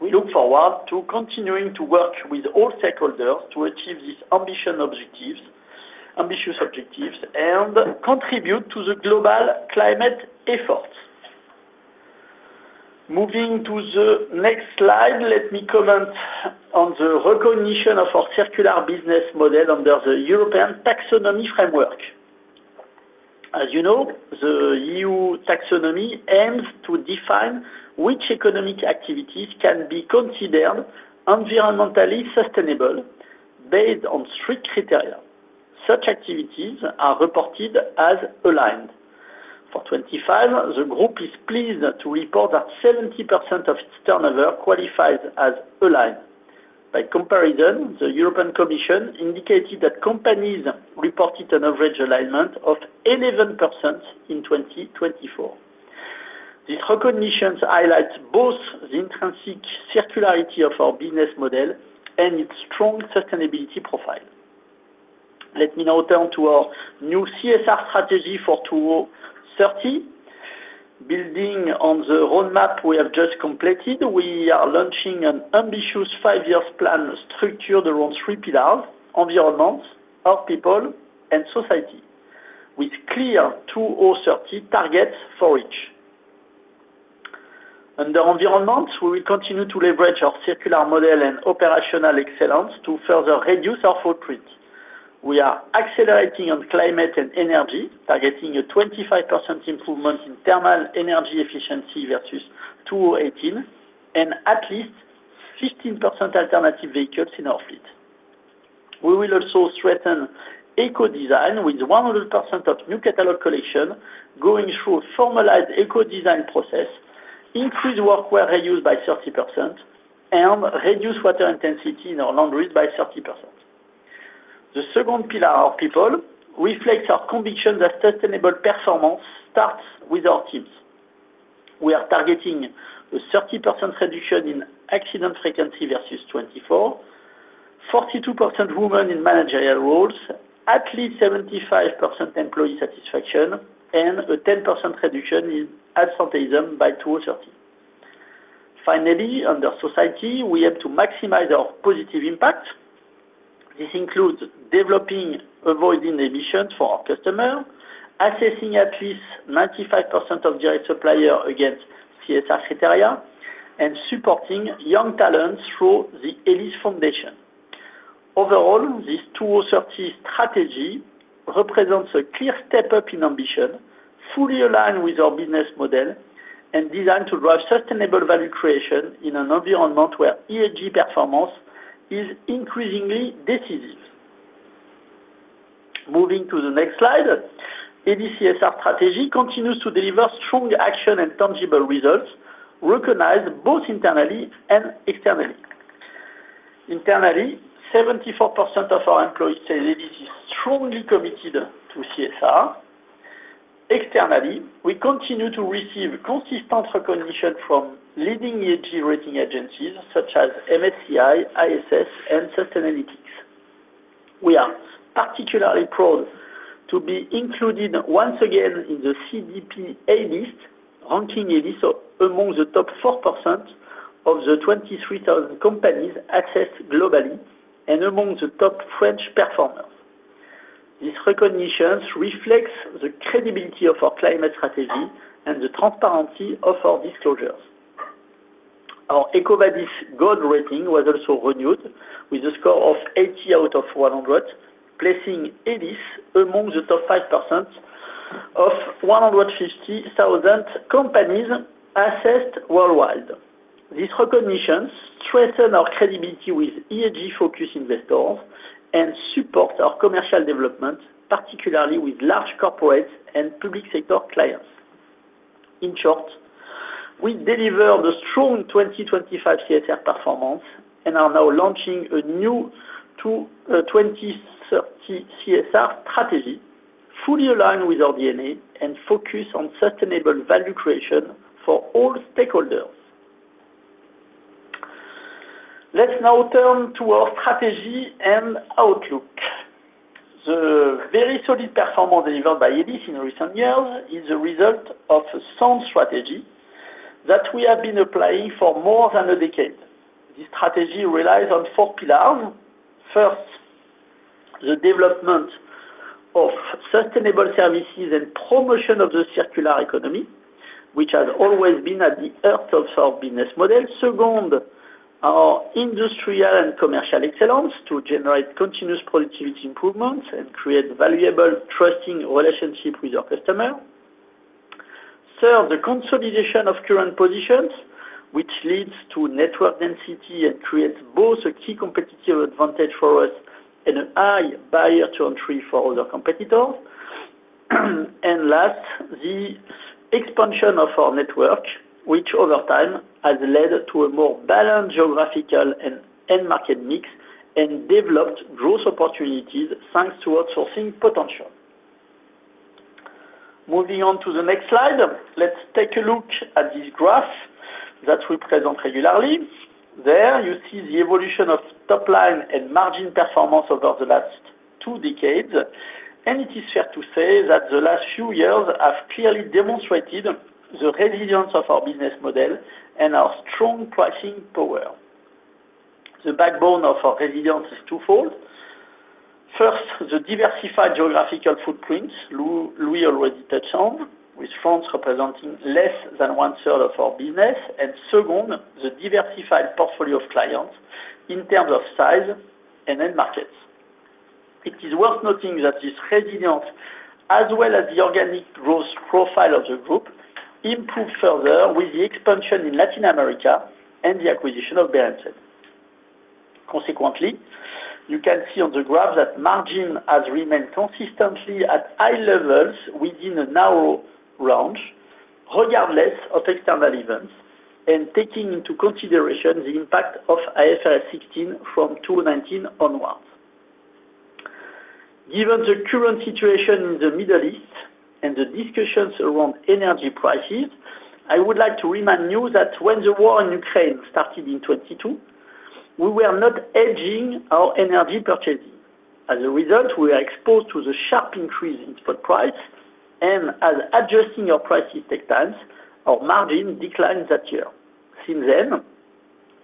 We look forward to continuing to work with all stakeholders to achieve these ambitious objectives and contribute to the global climate efforts. Moving to the next slide, let me comment on the recognition of our circular business model under the EU Taxonomy. As you know, the EU Taxonomy aims to define which economic activities can be considered environmentally sustainable based on three criteria. Such activities are reported as aligned. For 25, the group is pleased to report that 70% of its turnover qualifies as aligned. By comparison, the European Commission indicated that companies reported an average alignment of 11% in 2024. These recognitions highlight both the intrinsic circularity of our business model and its strong sustainability profile. Let me now turn to our new CSR strategy for 2030. Building on the roadmap we have just completed, we are launching an ambitious five-year plan structured around three pillars: environment, our people, and society, with clear 2030 targets for each. Under environment, we will continue to leverage our circular model and operational excellence to further reduce our footprint. We are accelerating on climate and energy, targeting a 25% improvement in thermal energy efficiency versus 2018 and at least 15% alternative vehicles in our fleet. We will also strengthen eco-design with 100% of new catalog collection going through a formalized eco-design process, increase workwear reuse by 30%, and reduce water intensity in our laundries by 30%. The second pillar, our people, reflects our conviction that sustainable performance starts with our teams. We are targeting a 30% reduction in accident frequency versus 2024, 42% women in managerial roles, at least 75% employee satisfaction, and a 10% reduction in absenteeism by 2030. Finally, under society, we aim to maximize our positive impact. This includes developing avoided emissions for our customer, assessing at least 95% of direct supplier against CSR criteria, and supporting young talent through the Elis Foundation. Overall, this 2030 strategy represents a clear step-up in ambition, fully aligned with our business model, and designed to drive sustainable value creation in an environment where ESG performance is increasingly decisive. Moving to the next slide, Elis CSR strategy continues to deliver strong action and tangible results recognized both internally and externally. Internally, 74% of our employees say Elis is strongly committed to CSR. Externally, we continue to receive consistent recognition from leading ESG rating agencies such as MSCI, ISS, and Sustainalytics. We are particularly proud to be included once again in the CDP A List, ranking A List among the top 4% of the 23,000 companies assessed globally and among the top French performers. These recognitions reflects the credibility of our climate strategy and the transparency of our disclosures. Our EcoVadis gold rating was also renewed with a score of 80 out of 100, placing Elis among the top 5% of 150,000 companies assessed worldwide. These recognitions strengthen our credibility with ESG-focused investors and support our commercial development, particularly with large corporate and public sector clients. In short, we delivered a strong 2025 CSR performance and are now launching a new 2030 CSR strategy fully aligned with our DNA and focus on sustainable value creation for all stakeholders. Let's now turn to our strategy and outlook. The very solid performance delivered by Elis in recent years is a result of a sound strategy that we have been applying for more than a decade. This strategy relies on four pillars. First, the development of sustainable services and promotion of the circular economy, which has always been at the heart of our business model. Second, our industrial and commercial excellence to generate continuous productivity improvements and create valuable trusting relationship with our customer. Third, the consolidation of current positions, which leads to network density and creates both a key competitive advantage for us and a high barrier to entry for other competitors. And last, the expansion of our network, which over time has led to a more balanced geographical and end market mix and developed growth opportunities, thanks to outsourcing potential. Moving on to the next slide. Let's take a look at this graph that we present regularly. There you see the evolution of top line and margin performance over the last two decades, and it is fair to say that the last few years have clearly demonstrated the resilience of our business model and our strong pricing power. The backbone of our resilience is twofold. First, the diversified geographical footprint Louis already touched on, with France representing less than one-third of our business. Second, the diversified portfolio of clients in terms of size and end markets. It is worth noting that this resilience, as well as the organic growth profile of the group, improved further with the expansion in Latin America and the acquisition of Berendsen. Consequently, you can see on the graph that margin has remained consistently at high levels within a narrow range, regardless of external events and taking into consideration the impact of IFRS 16 from 2019 onwards. Given the current situation in the Middle East and the discussions around energy prices, I would like to remind you that when the war in Ukraine started in 2022, we were not hedging our energy purchasing. As a result, we were exposed to the sharp increase in input prices and as adjusting our prices takes time, our margin declined that year. Since then,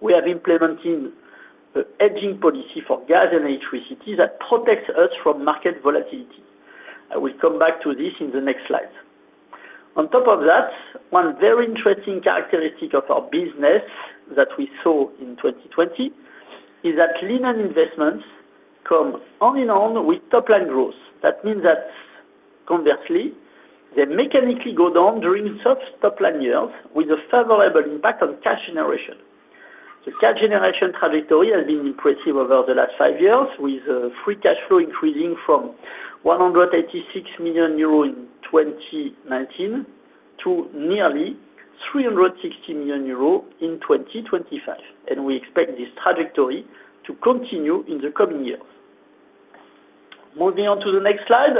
we have implemented a hedging policy for gas and electricity that protects us from market volatility. I will come back to this in the next slide. On top of that, one very interesting characteristic of our business that we saw in 2020 is that linen investments come along with top-line growth. That means that conversely, they mechanically go down during such top-line years with a favorable impact on cash generation. The cash generation trajectory has been impressive over the last five years, with free cash flow increasing from 186 million euro in 2019 to nearly 360 million euro in 2025, and we expect this trajectory to continue in the coming years. Moving on to the next slide.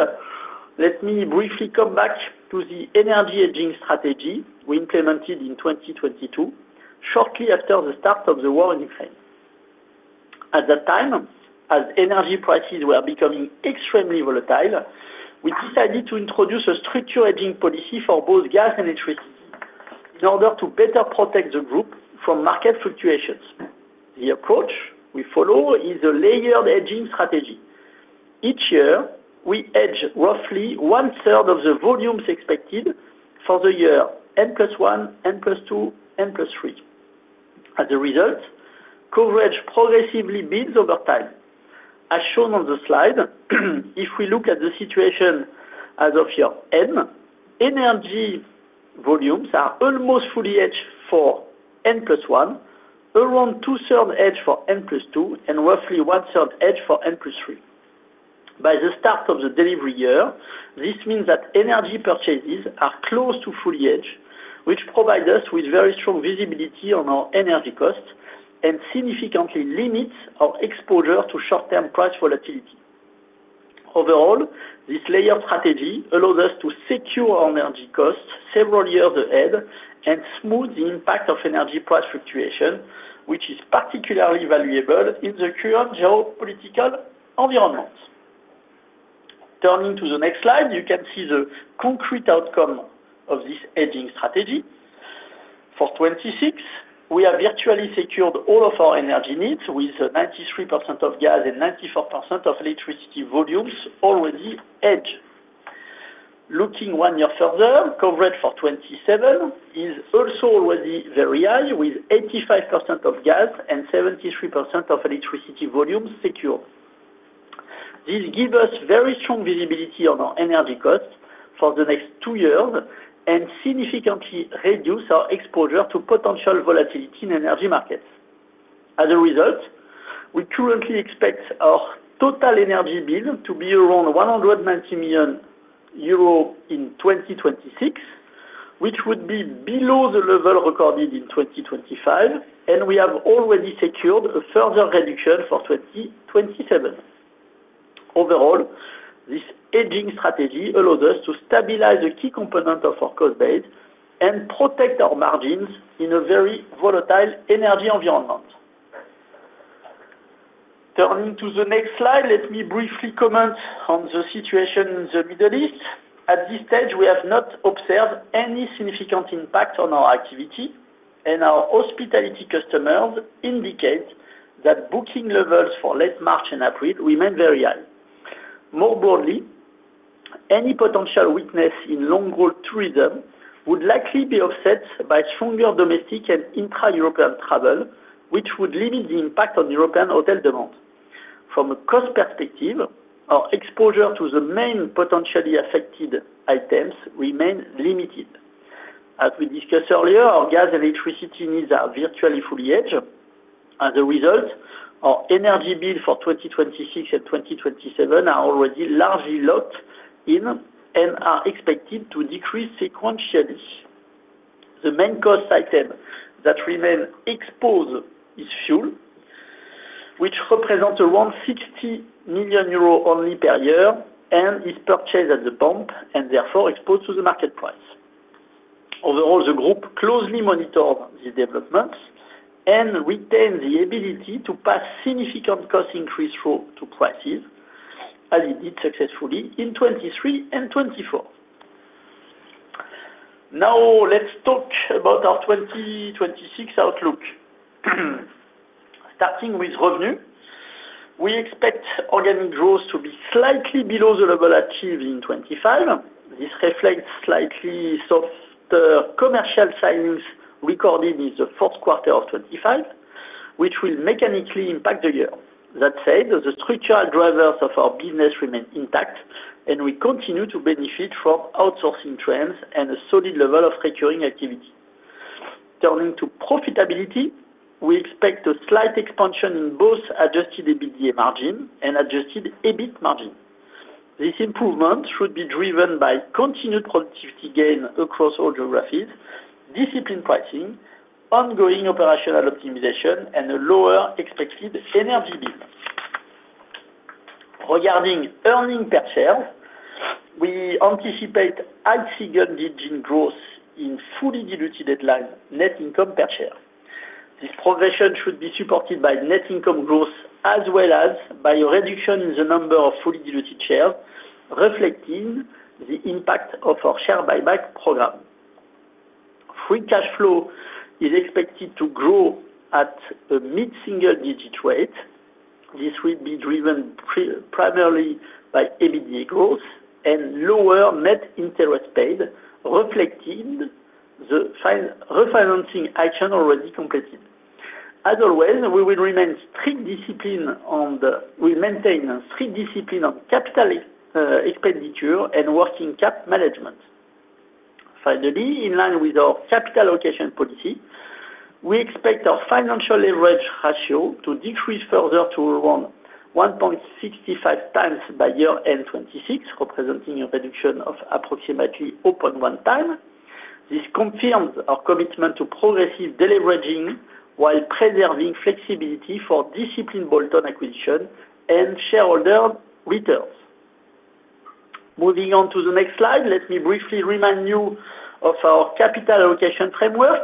Let me briefly come back to the energy hedging strategy we implemented in 2022, shortly after the start of the war in Ukraine. At that time, as energy prices were becoming extremely volatile, we decided to introduce a structured hedging policy for both gas and electricity in order to better protect the group from market fluctuations. The approach we follow is a layered hedging strategy. Each year, we hedge roughly one-third of the volumes expected for the year N+1, N+2, N+3. As a result, coverage progressively builds over time. As shown on the slide, if we look at the situation as of year N, energy volumes are almost fully hedged for N+1, around two-thirds hedged for N+2, and roughly one-third hedged for N+3. By the start of the delivery year, this means that energy purchases are close to fully hedged, which provide us with very strong visibility on our energy costs and significantly limits our exposure to short-term price volatility. Overall, this layered strategy allows us to secure our energy costs several years ahead and smooth the impact of energy price fluctuation, which is particularly valuable in the current geopolitical environment. Turning to the next slide, you can see the concrete outcome of this hedging strategy. For 2026, we have virtually secured all of our energy needs with 93% of gas and 94% of electricity volumes already hedged. Looking one year further, coverage for 2027 is also already very high, with 85% of gas and 73% of electricity volumes secure. This give us very strong visibility on our energy costs for the next two years and significantly reduce our exposure to potential volatility in energy markets. As a result, we currently expect our total energy bill to be around 190 million euros in 2026, which would be below the level recorded in 2025, and we have already secured a further reduction for 2027. Overall, this hedging strategy allows us to stabilize the key component of our cost base and protect our margins in a very volatile energy environment. Turning to the next slide, let me briefly comment on the situation in the Middle East. At this stage, we have not observed any significant impact on our activity, and our hospitality customers indicate that booking levels for late March and April remain very high. More broadly, any potential weakness in long-haul tourism would likely be offset by stronger domestic and intra-European travel, which would limit the impact on European hotel demand. From a cost perspective, our exposure to the main potentially affected items remain limited. As we discussed earlier, our gas, electricity needs are virtually fully hedged. As a result, our energy bill for 2026 and 2027 are already largely locked in and are expected to decrease sequentially. The main cost item that remains exposed is fuel, which represents around 60 million euros only per year and is purchased at the pump, and therefore exposed to the market price. Overall, the group closely monitors these developments and retains the ability to pass significant cost increases through to prices, as it did successfully in 2023 and 2024. Now, let's talk about our 2026 outlook. Starting with revenue, we expect organic growth to be slightly below the level achieved in 2025. This reflects slightly softer commercial signings recorded in the fourth quarter of 2025, which will mechanically impact the year. That said, the structural drivers of our business remain intact, and we continue to benefit from outsourcing trends and a solid level of recurring activity. Turning to profitability, we expect a slight expansion in both adjusted EBITDA margin and adjusted EBIT margin. This improvement should be driven by continued productivity gain across all geographies, disciplined pricing, ongoing operational optimization, and a lower expected energy bill. Regarding earnings per share, we anticipate high single-digit growth in fully diluted net income per share. This progression should be supported by net income growth as well as by a reduction in the number of fully diluted shares, reflecting the impact of our share buyback program. Free cash flow is expected to grow at a mid-single digit rate. This will be driven primarily by EBITDA growth and lower net interest paid, reflecting the refinancing action already completed. As always, we maintain a strict discipline on capital expenditure and working capital management. Finally, in line with our capital allocation policy, we expect our financial leverage ratio to decrease further to around 1.65x by year-end 2026, representing a reduction of approximately 0.1x. This confirms our commitment to progressive deleveraging while preserving flexibility for disciplined bolt-on acquisition and shareholder returns. Moving on to the next slide, let me briefly remind you of our capital allocation framework.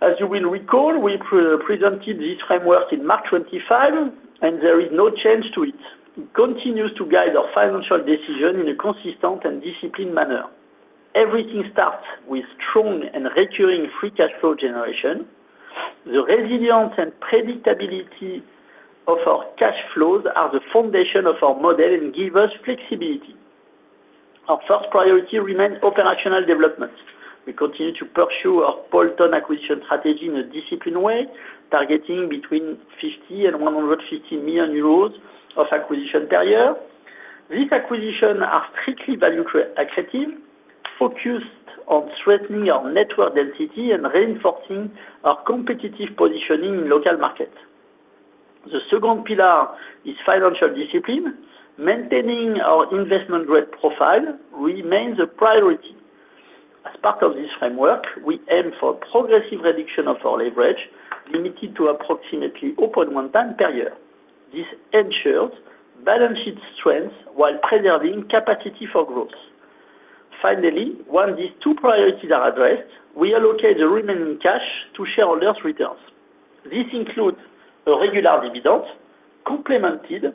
As you will recall, we previously presented this framework in March 2025, and there is no change to it. It continues to guide our financial decisions in a consistent and disciplined manner. Everything starts with strong and recurring free cash flow generation. The resilience and predictability of our cash flows are the foundation of our model and give us flexibility. Our first priority remains operational development. We continue to pursue our bolt-on acquisition strategy in a disciplined way, targeting between 50 million and 150 million euros of acquisition per year. These acquisitions are strictly value accretive, focused on strengthening our network density and reinforcing our competitive positioning in local markets. The second pillar is financial discipline. Maintaining our investment grade profile remains a priority. As part of this framework, we aim for progressive reduction of our leverage, limited to approximately 0.1x per year. This ensures balance sheet strength while preserving capacity for growth. Finally, once these two priorities are addressed, we allocate the remaining cash to shareholders' returns. This includes a regular dividend complemented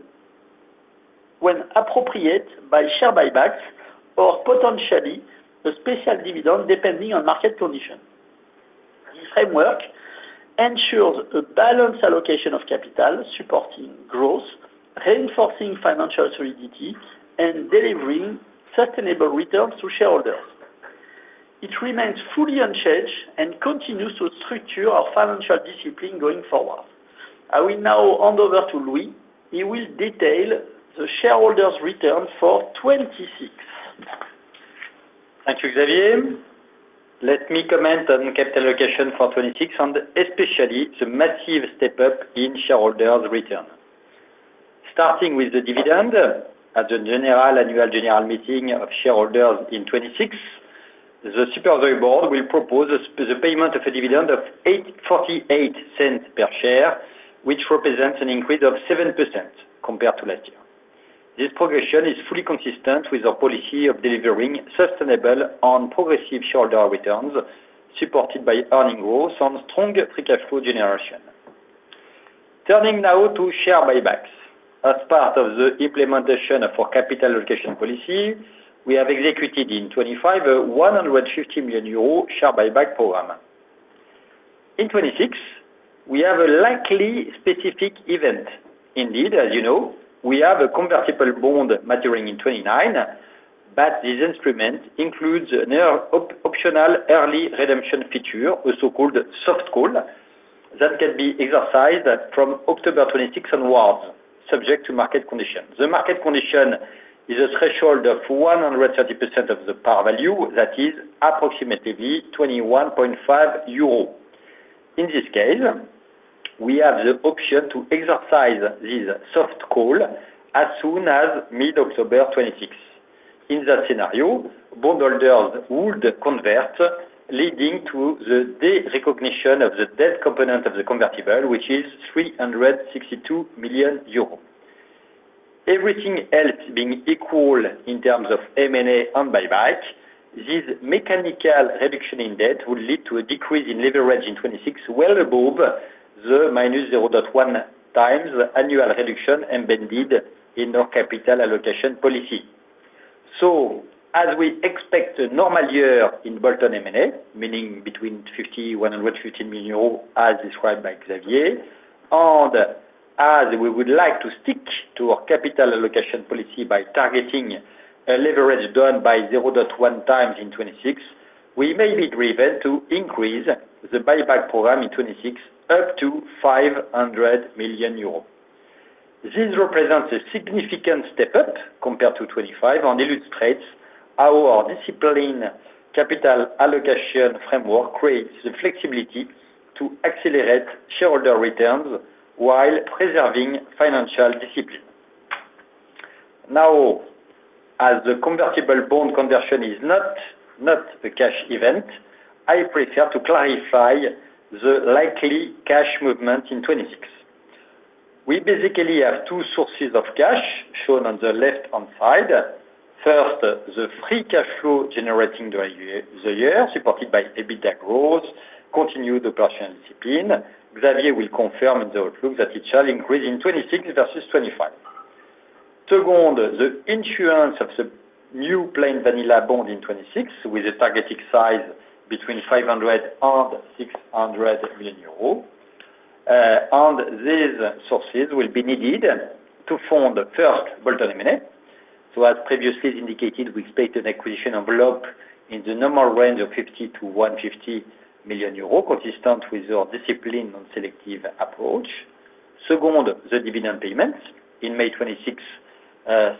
when appropriate by share buybacks or potentially a special dividend, depending on market conditions. This framework ensures a balanced allocation of capital, supporting growth, reinforcing financial solidity, and delivering sustainable returns to shareholders. It remains fully unchanged and continues to structure our financial discipline going forward. I will now hand over to Louis. He will detail the shareholders' return for 2026. Thank you, Xavier. Let me comment on capital allocation for 2026, and especially the massive step up in shareholders return. Starting with the dividend, at the annual general meeting of shareholders in 2026, the supervisory board will propose the payment of a dividend of 0.48 per share, which represents an increase of 7% compared to last year. This progression is fully consistent with our policy of delivering sustainable and progressive shareholder returns, supported by earnings growth on strong free cash flow generation. Turning now to share buybacks. As part of the implementation for capital allocation policy, we have executed in 2025, a 150 million euro share buyback program. In 2026, we have a likely specific event. Indeed, as you know, we have a convertible bond maturing in 2029, but this instrument includes an optional early redemption feature, also called soft call, that can be exercised from October 2026 onward, subject to market conditions. The market condition is a threshold of 130% of the par value, that is approximately 21.5 euros. In this case, we have the option to exercise this soft call as soon as mid-October 2026. In that scenario, bondholders would convert, leading to the derecognition of the debt component of the convertible, which is 362 million euros. Everything else being equal in terms of M&A and buyback, this mechanical reduction in debt would lead to a decrease in leverage in 2026, well above the -0.1x annual reduction embedded in our capital allocation policy. We expect a normal year in bolt-on M&A, meaning between 50 million euros and 150 million euros, as described by Xavier, and as we would like to stick to our capital allocation policy by targeting a leverage down to 0.1x in 2026, we may be driven to increase the buyback program in 2026 up to 500 million euros. This represents a significant step up compared to 2025 and illustrates how our disciplined capital allocation framework creates the flexibility to accelerate shareholder returns while preserving financial discipline. Now, as the convertible bond conversion is not a cash event, I prefer to clarify the likely cash movement in 2026. We basically have two sources of cash, shown on the left-hand side. First, the free cash flow generating during the year, supported by EBITDA growth, continued operational discipline. Xavier will confirm in the outlook that it shall increase in 2026 versus 2025. Second, the issue of the new plain vanilla bond in 2026, with a target size between 500 million euros and 600 million euros. These sources will be needed to fund the first bolt-on M&A. As previously indicated, we expect an acquisition envelope in the normal range of 50 million to 150 million euros, consistent with our discipline on selective approach. Second, the dividend payments. In May 2026,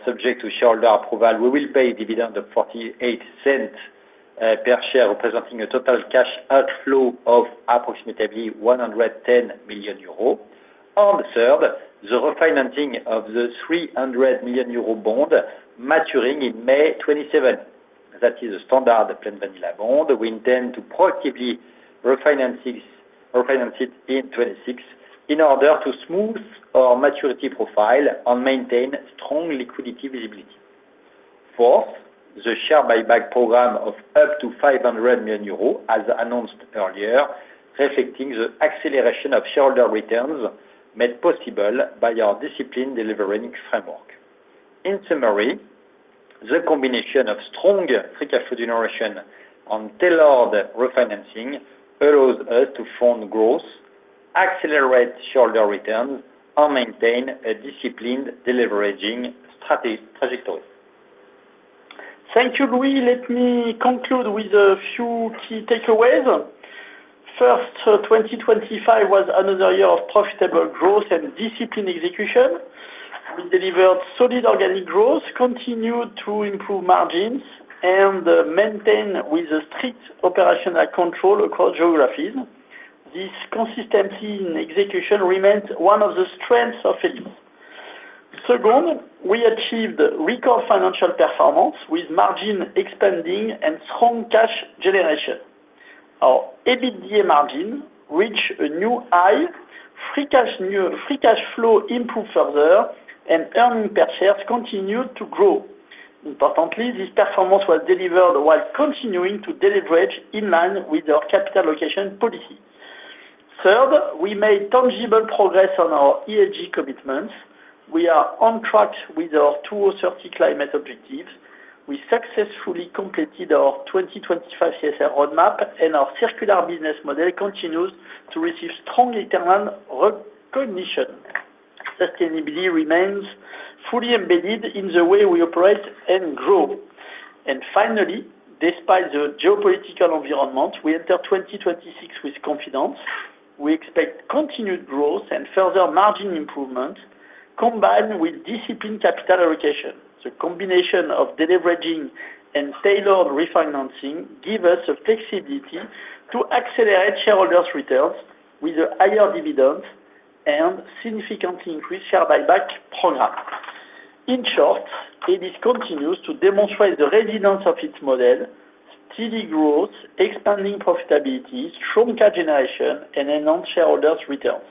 subject to shareholder approval, we will pay a dividend of 0.48 per share, representing a total cash outflow of approximately 110 million euros. Third, the refinancing of the 300 million euro bond maturing in May 2027. That is a standard plain vanilla bond. We intend to proactively refinance it in 2026 in order to smooth our maturity profile and maintain strong liquidity visibility. Fourth, the share buyback program of up to 500 million euros, as announced earlier, reflecting the acceleration of shareholder returns made possible by our disciplined delivery framework. In summary, the combination of strong free cash flow generation and tailored refinancing allows us to fund growth, accelerate shareholder returns, and maintain a disciplined deleveraging trajectory. Thank you, Louis. Let me conclude with a few key takeaways. First, 2025 was another year of profitable growth and disciplined execution. We delivered solid organic growth, continued to improve margins, and maintained with a strict operational control across geographies. This consistency in execution remains one of the strengths of Elis. Second, we achieved record financial performance with margin expanding and strong cash generation. Our EBITDA margin reached a new high, free cash flow improved further, and earnings per share continued to grow. Importantly, this performance was delivered while continuing to deleverage in line with our capital allocation policy. Third, we made tangible progress on our ESG commitments. We are on track with our 2030 climate objectives. We successfully completed our 2025 CSR roadmap, and our circular business model continues to receive strong external recognition. Sustainability remains fully embedded in the way we operate and grow. Finally, despite the geopolitical environment, we enter 2026 with confidence. We expect continued growth and further margin improvement combined with disciplined capital allocation. The combination of de-leveraging and tailored refinancing give us the flexibility to accelerate shareholders' returns with a higher dividend and significantly increase share buyback program. In short, Elis continues to demonstrate the resilience of its model, steady growth, expanding profitability, strong cash generation, and enhanced shareholders' returns,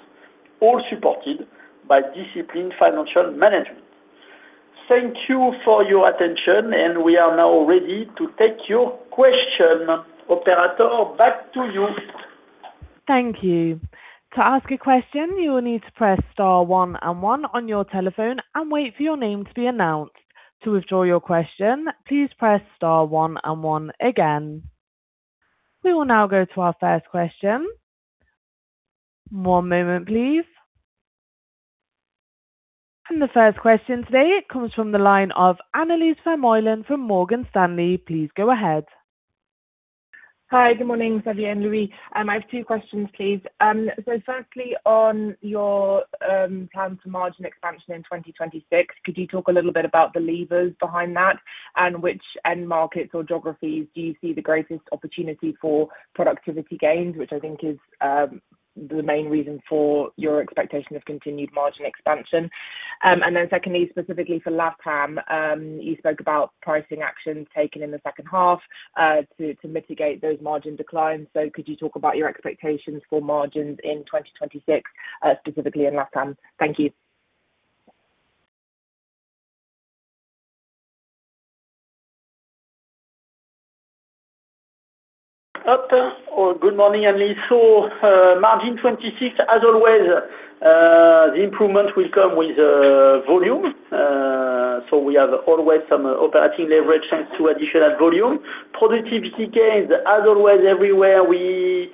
all supported by disciplined financial management. Thank you for your attention, and we are now ready to take your question. Operator, back to you. Thank you. To ask a question, you will need to press star one and one on your telephone and wait for your name to be announced. To withdraw your question, please press star one and one again. We will now go to our first question. One moment, please. The first question today comes from the line of Annelies Vermeulen from Morgan Stanley. Please go ahead. Hi. Good morning, Xavier and Louis. I have two questions, please. Firstly, on your plan for margin expansion in 2026, could you talk a little bit about the levers behind that and which end markets or geographies do you see the greatest opportunity for productivity gains, which I think is the main reason for your expectation of continued margin expansion? Secondly, specifically for LatAm, you spoke about pricing actions taken in the second half to mitigate those margin declines. Could you talk about your expectations for margins in 2026, specifically in LatAm? Thank you. Good morning, Annelies. Margin 2026, as always, the improvement will come with volume. We have always some operating leverage thanks to additional volume. Productivity gains, as always everywhere, we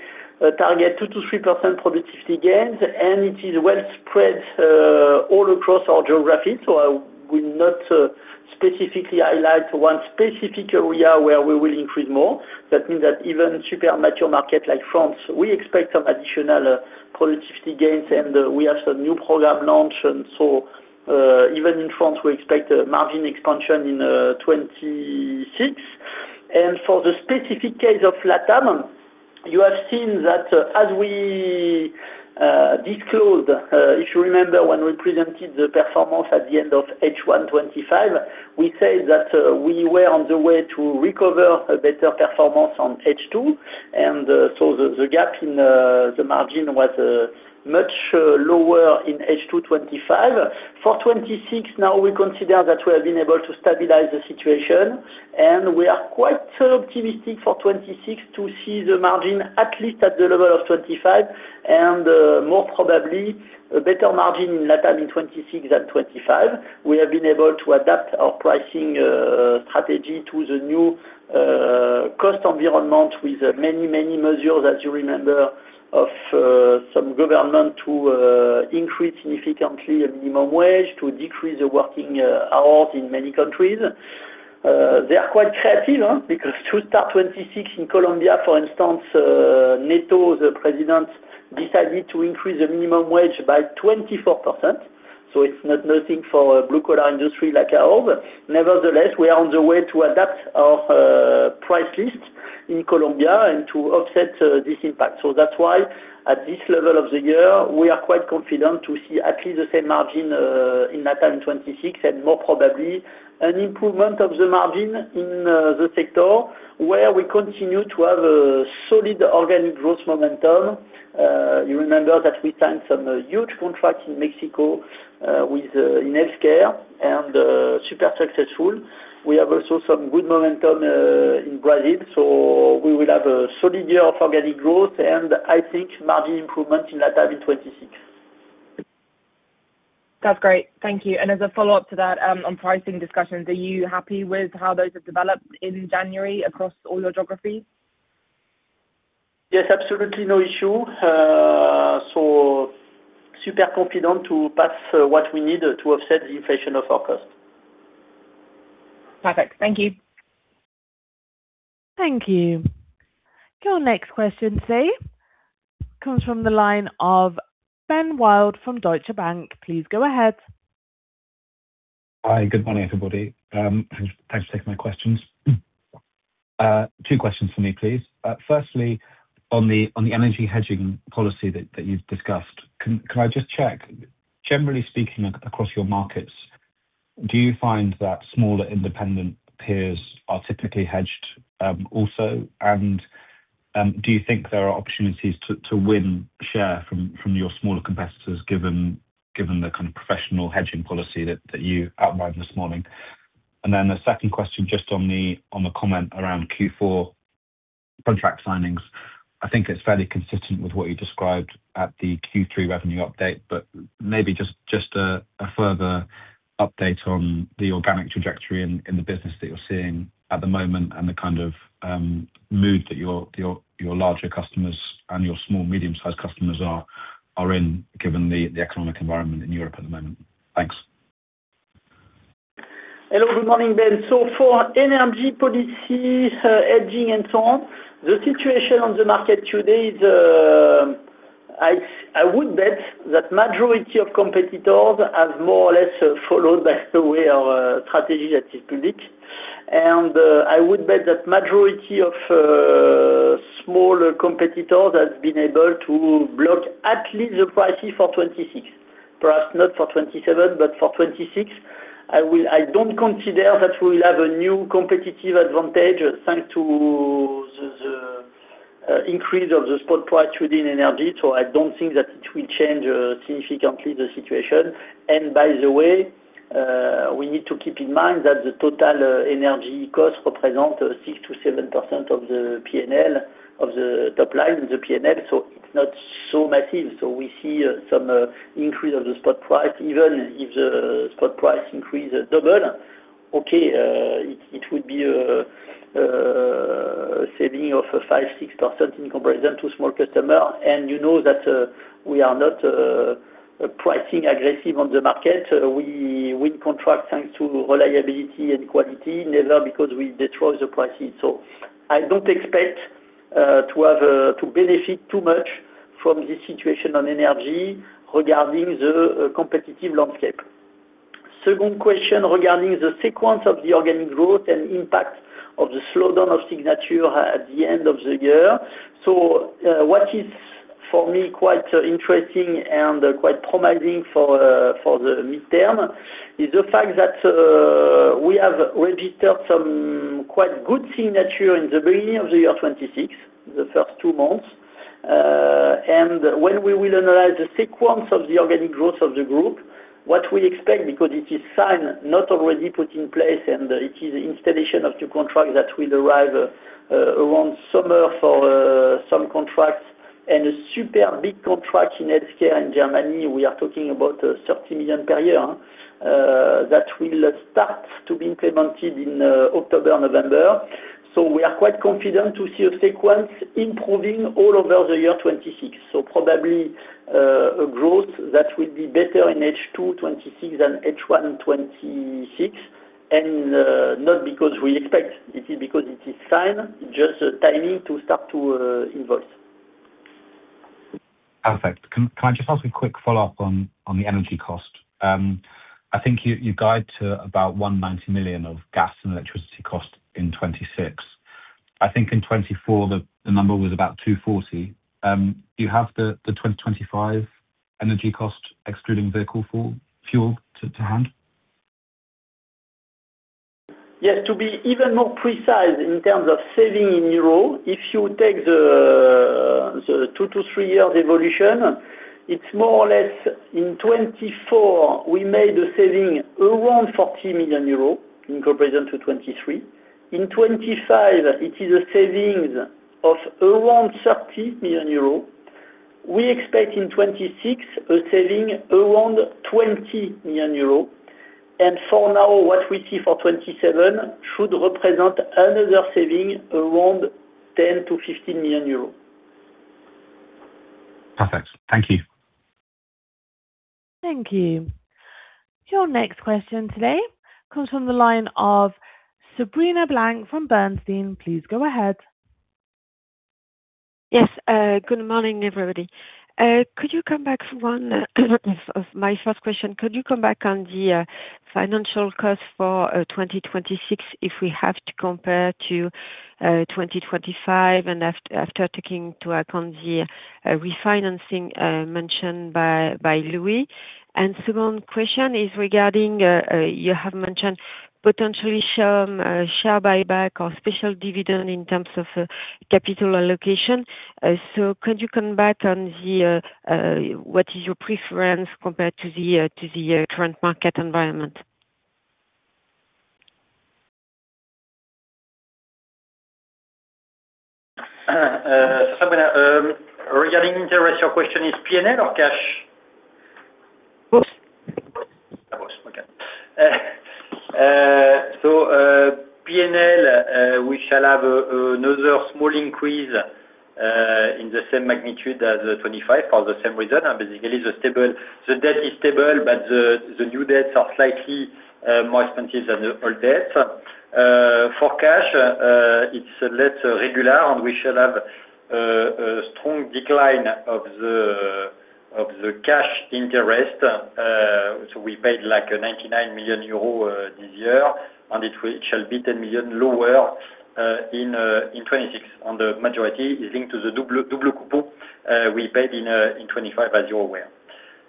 target 2%-3% productivity gains, and it is well spread all across our geography. I will not specifically highlight one specific area where we will increase more. That means that even super mature market like France, we expect some additional productivity gains, and we have some new program launch. Even in France, we expect a margin expansion in 2026. For the specific case of LatAm, you have seen that as we disclosed, if you remember when we presented the performance at the end of H1 2025, we said that we were on the way to recover a better performance on H2. So the gap in the margin was much lower in H2 2025. For 2026, now we consider that we have been able to stabilize the situation, and we are quite optimistic for 2026 to see the margin at least at the level of 2025 and more probably a better margin in LatAm in 2026 than 2025. We have been able to adapt our pricing strategy to the new cost environment with many measures, as you remember, of some government to increase significantly a minimum wage, to decrease the working hours in many countries. They are quite creative because to start 2026 in Colombia, for instance, Petro, the president, decided to increase the minimum wage by 24%. It's not nothing for a blue-collar industry like ours. Nevertheless, we are on the way to adapt our price list in Colombia and to offset this impact. That's why at this level of the year, we are quite confident to see at least the same margin in LatAm in 2026 and more probably an improvement of the margin in the sector where we continue to have a solid organic growth momentum. You remember that we signed some huge contracts in Mexico in healthcare and super successful. We have also some good momentum in Brazil. We will have a solid year of organic growth and I think margin improvement in LatAm in 2026. That's great. Thank you. As a follow-up to that, on pricing discussions, are you happy with how those have developed in January across all your geographies? Yes, absolutely no issue. Super confident to pass what we need to offset the inflation of our cost. Perfect. Thank you. Thank you. Your next question, Steve, comes from the line of Ben Wild from Deutsche Bank. Please go ahead. Hi. Good morning, everybody. Thanks for taking my questions. Two questions for me, please. Firstly, on the energy hedging policy that you've discussed, can I just check, generally speaking across your markets, do you find that smaller independent peers are typically hedged, also? Do you think there are opportunities to win share from your smaller competitors given the kind of professional hedging policy that you outlined this morning? The second question just on the comment around Q4 contract signings. I think it's fairly consistent with what you described at the Q3 revenue update. Maybe just a further update on the organic trajectory in the business that you're seeing at the moment and the kind of mood that your larger customers and your small medium-sized customers are in given the economic environment in Europe at the moment. Thanks. Hello. Good morning, Ben. For energy policy, hedging, and so on, the situation on the market today is, I would bet that majority of competitors have more or less followed the way our strategy that is public. I would bet that majority of smaller competitors have been able to lock at least the pricing for 2026, perhaps not for 2027, but for 2026. I don't consider that we'll have a new competitive advantage thanks to the increase of the spot price within energy, so I don't think that it will change significantly the situation. By the way, we need to keep in mind that the total energy cost represent 6%-7% of the P&L, of the top line of the P&L, so it's not so massive. We see some increase of the spot price. Even if the spot price increase double, it would be a saving of 5-6% in comparison to small customer. You know that we are not pricing aggressive on the market. We win contract thanks to reliability and quality, never because we destroy the pricing. I don't expect to have to benefit too much from this situation on energy regarding the competitive landscape. Second question regarding the sequence of the organic growth and impact of the slowdown of signature at the end of the year. What is for me quite interesting and quite promising for the midterm is the fact that we have registered some quite good signature in the beginning of the year 2026, the first two months. When we will analyze the sequence of the organic growth of the group, what we expect, because it is signed, not already put in place, and it is installation of the contract that will arrive around summer for some contracts and a super big contract in healthcare in Germany, we are talking about 30 million per year, that will start to be implemented in October, November. We are quite confident to see a sequence improving all over the year 2026. Probably a growth that will be better in H2 2026 than H1 2026, and not because we expect. This is because it is signed, just a timing to start to invoice. Perfect. Can I just ask a quick follow-up on the energy cost? I think you guide to about 190 million of gas and electricity cost in 2026. I think in 2024 the number was about 240. Do you have the 2025 energy cost excluding vehicle fuel to hand? Yes. To be even more precise in terms of saving in euro, if you take the two-three year evolution, it's more or less in 2024, we made a saving around 40 million euros in comparison to 2023. In 2025, it is a savings of around 30 million euros. We expect in 2026 a saving around 20 million euros. For now, what we see for 2027 should represent another saving around 10 million-15 million euros. Perfect. Thank you. Thank you. Your next question today comes from the line of Sabrina Blanc from Bernstein. Please go ahead. Yes. Good morning, everybody. My first question, could you come back on the financial cost for 2026 if we have to compare to 2025 and after taking into account the refinancing mentioned by Louis? Second question is regarding, you have mentioned potentially some share buyback or special dividend in terms of capital allocation. So could you come back on what is your preference compared to the current market environment? Sabrina, regarding interest, your question is P&L or cash? Both. Both. Okay. P&L, we shall have another small increase in the same magnitude as 25 for the same reason. Basically the debt is stable, but the new debts are slightly more expensive than the old debt. For cash, it's less regular, and we shall have a strong decline of the cash interest. So we made like a 99 million euro this year, and it shall be 10 million lower in 2026, and the majority is into the double coupon we paid in 2025, as you're aware.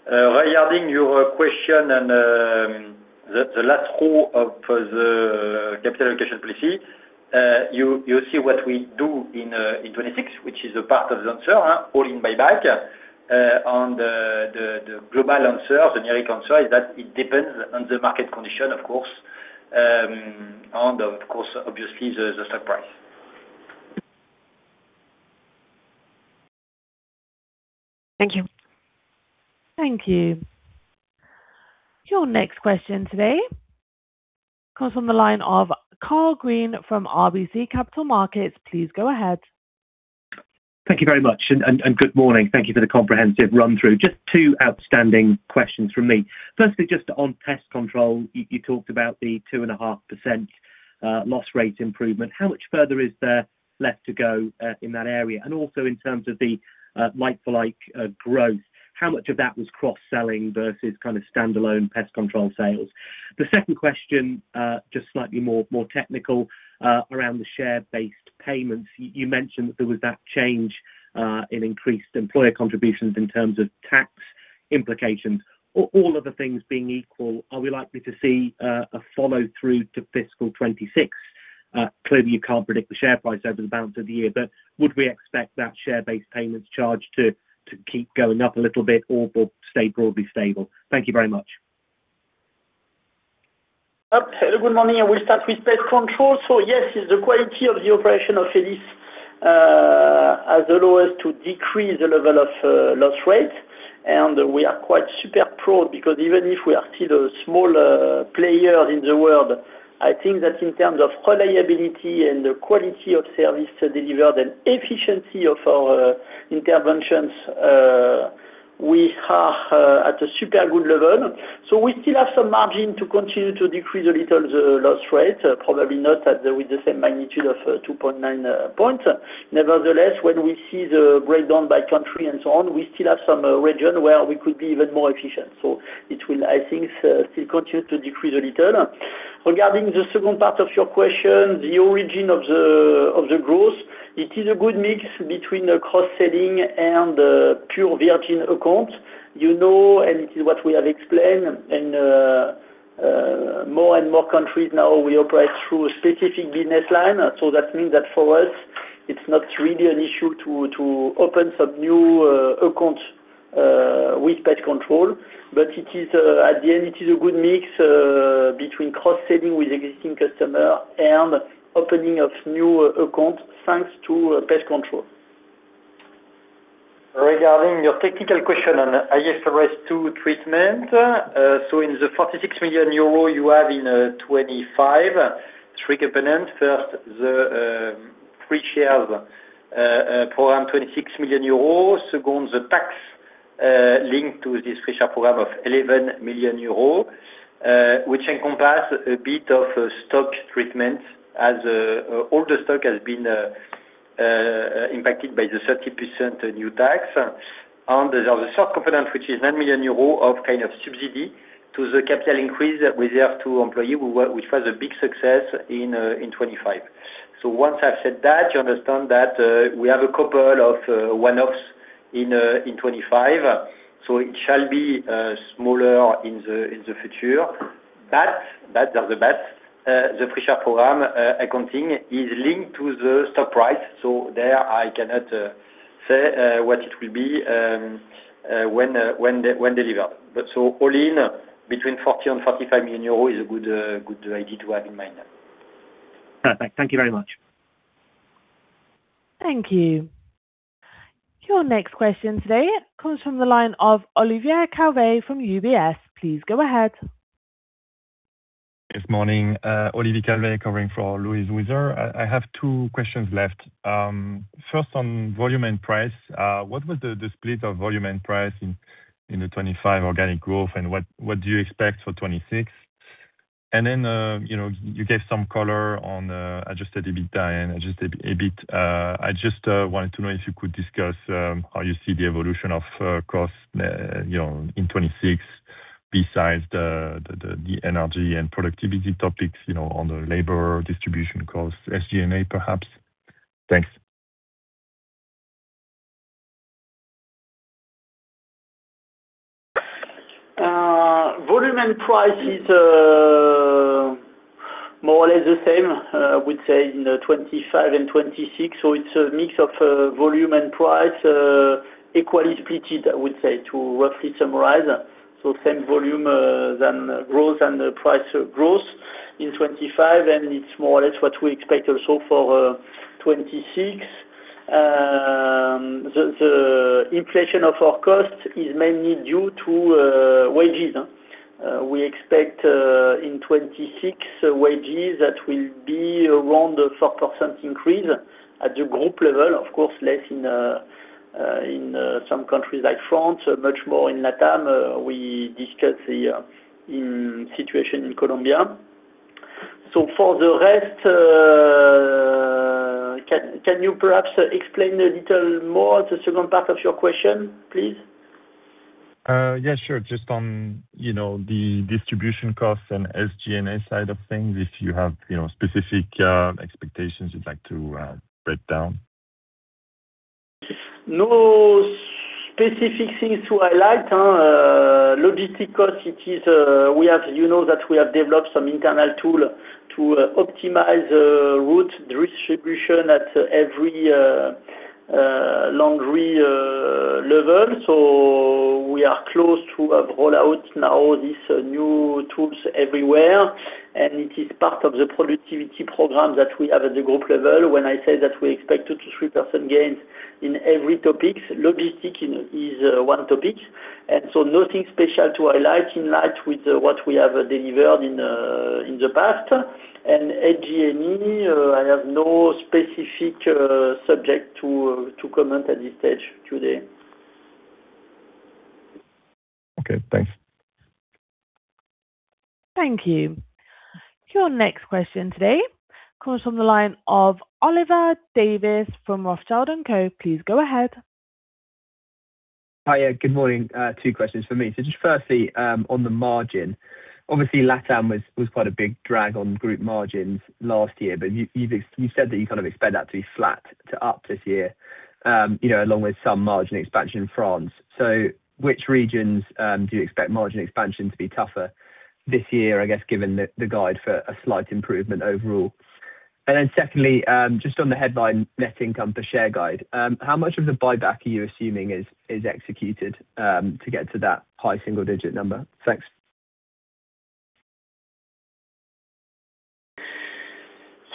Regarding your question and the last call of the capital allocation policy, you see what we do in 2026, which is a part of the answer, all in buyback. On the global answer, the American answer is that it depends on the market condition, of course. Of course, obviously, the stock price. Thank you. Thank you. Your next question today comes from the line of Karl Green from RBC Capital Markets. Please go ahead. Thank you very much and good morning. Thank you for the comprehensive run-through. Just two outstanding questions from me. Firstly, just on pest control. You talked about the 2.5% loss rate improvement. How much further is there left to go in that area? Also in terms of the like-for-like growth, how much of that was cross-selling versus kind of standalone pest control sales? The second question just slightly more technical around the share-based payments. You mentioned that there was that change in increased employer contributions in terms of tax implications. All other things being equal, are we likely to see a follow-through to fiscal 2026? Clearly you can't predict the share price over the balance of the year, but would we expect that share-based payments charge to keep going up a little bit or stay broadly stable? Thank you very much. Good morning. I will start with pest control. Yes, it's the quality of the operation of Elis has allowed us to decrease the level of loss rate. We are quite super proud because even if we are still a small player in the world, I think that in terms of reliability and the quality of service delivered and efficiency of our interventions, we are at a super good level. We still have some margin to continue to decrease a little the loss rate, probably not at the, with the same magnitude of 2.9 points. Nevertheless, when we see the breakdown by country and so on, we still have some region where we could be even more efficient. It will, I think, still continue to decrease a little. Regarding the second part of your question, the origin of the growth, it is a good mix between the cross-selling and pure virgin accounts. You know, it is what we have explained, and more and more countries now we operate through a specific business line. That means that for us, it's not really an issue to open some new accounts with pest control. It is, at the end, a good mix between cross-selling with existing customer and opening of new accounts thanks to pest control. Regarding your technical question on IFRS 2 treatment, in the 46 million euro you have in 2025, three components. First, the free shares program 26 million euros. Second, the tax linked to this free share program of 11 million euros, which encompass a bit of stock treatment as older stock has been impacted by the 30% new tax. The third component, which is 9 million euros of kind of subsidy to the capital increase reserved to employee, which was a big success in 2025. Once I've said that, you understand that we have a couple of one-offs in 2025, so it shall be smaller in the future. The free share program accounting is linked to the stock price, so there I cannot say what it will be when delivered. All in between 40 million and 45 million euro is a good idea to have in mind. Perfect. Thank you very much. Thank you. Your next question today comes from the line of Olivier Calvet from UBS. Please go ahead. Good morning. Olivier Calvet covering for Louise Wiseur. I have two questions left. First on volume and price. What was the split of volume and price in the 2025 organic growth, and what do you expect for 2026? You know, you gave some color on adjusted EBITDA and adjusted EBIT. I just wanted to know if you could discuss how you see the evolution of costs, you know, in 2026 besides the energy and productivity topics, you know, on the labor distribution costs, SG&A perhaps. Thanks. Volume and price is more or less the same, I would say in the 2025 and 2026. It's a mix of volume and price, equally split, I would say, to roughly summarize. Same volume, then growth and the price growth in 2025, and it's more or less what we expect also for 2026. The inflation of our costs is mainly due to wages. We expect in 2026, wages that will be around a 4% increase at the group level. Of course, less in some countries like France, much more in LatAm. We discussed the situation in Colombia. For the rest, can you perhaps explain a little more the second part of your question, please? Yeah, sure. Just on, you know, the distribution costs and SG&A side of things, if you have, you know, specific expectations you'd like to break down. No specific things to highlight. Logistics costs, it is we have, you know that we have developed some internal tool to optimize the route distribution at every laundry level. We are close to a rollout now, these new tools everywhere, and it is part of the productivity program that we have at the group level. When I say that we expect 2%-3% gains in every topics, logistics, you know, is one topic. Nothing special to highlight in line with what we have delivered in the past. SG&A, I have no specific subject to comment at this stage today. Okay, thanks. Thank you. Your next question today comes from the line of Oliver Davies from Rothschild & Co, Please go ahead. Hi, good morning. Two questions for me. Just firstly, on the margin, obviously LatAm was quite a big drag on group margins last year, but you said that you kind of expect that to be flat to up this year, you know, along with some margin expansion in France. Which regions do you expect margin expansion to be tougher this year, I guess, given the guide for a slight improvement overall? Secondly, just on the headline net income per share guide, how much of the buyback are you assuming is executed to get to that high single digit number? Thanks.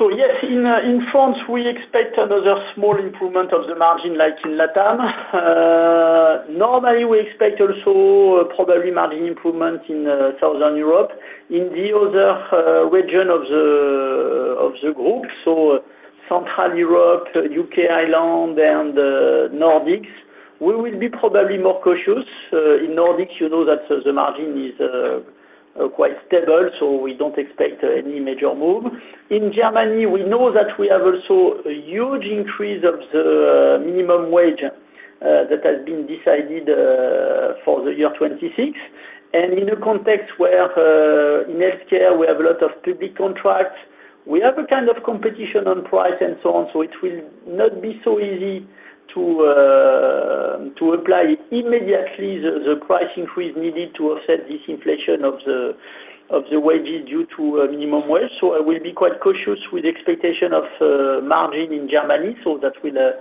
In France, we expect another small improvement of the margin like in LatAm. Normally, we expect also probably margin improvement in Southern Europe. In the other region of the group, so Central Europe, U.K., Ireland and Nordics, we will be probably more cautious. In Nordics, you know that the margin is quite stable, so we don't expect any major move. In Germany, we know that we have also a huge increase of the minimum wage that has been decided for the year 2026. In a context where, in health care, we have a lot of public contracts, we have a kind of competition on price and so on, so it will not be so easy to apply immediately the price increase needed to offset this inflation of the wages due to minimum wage. I will be quite cautious with expectation of margin in Germany. That will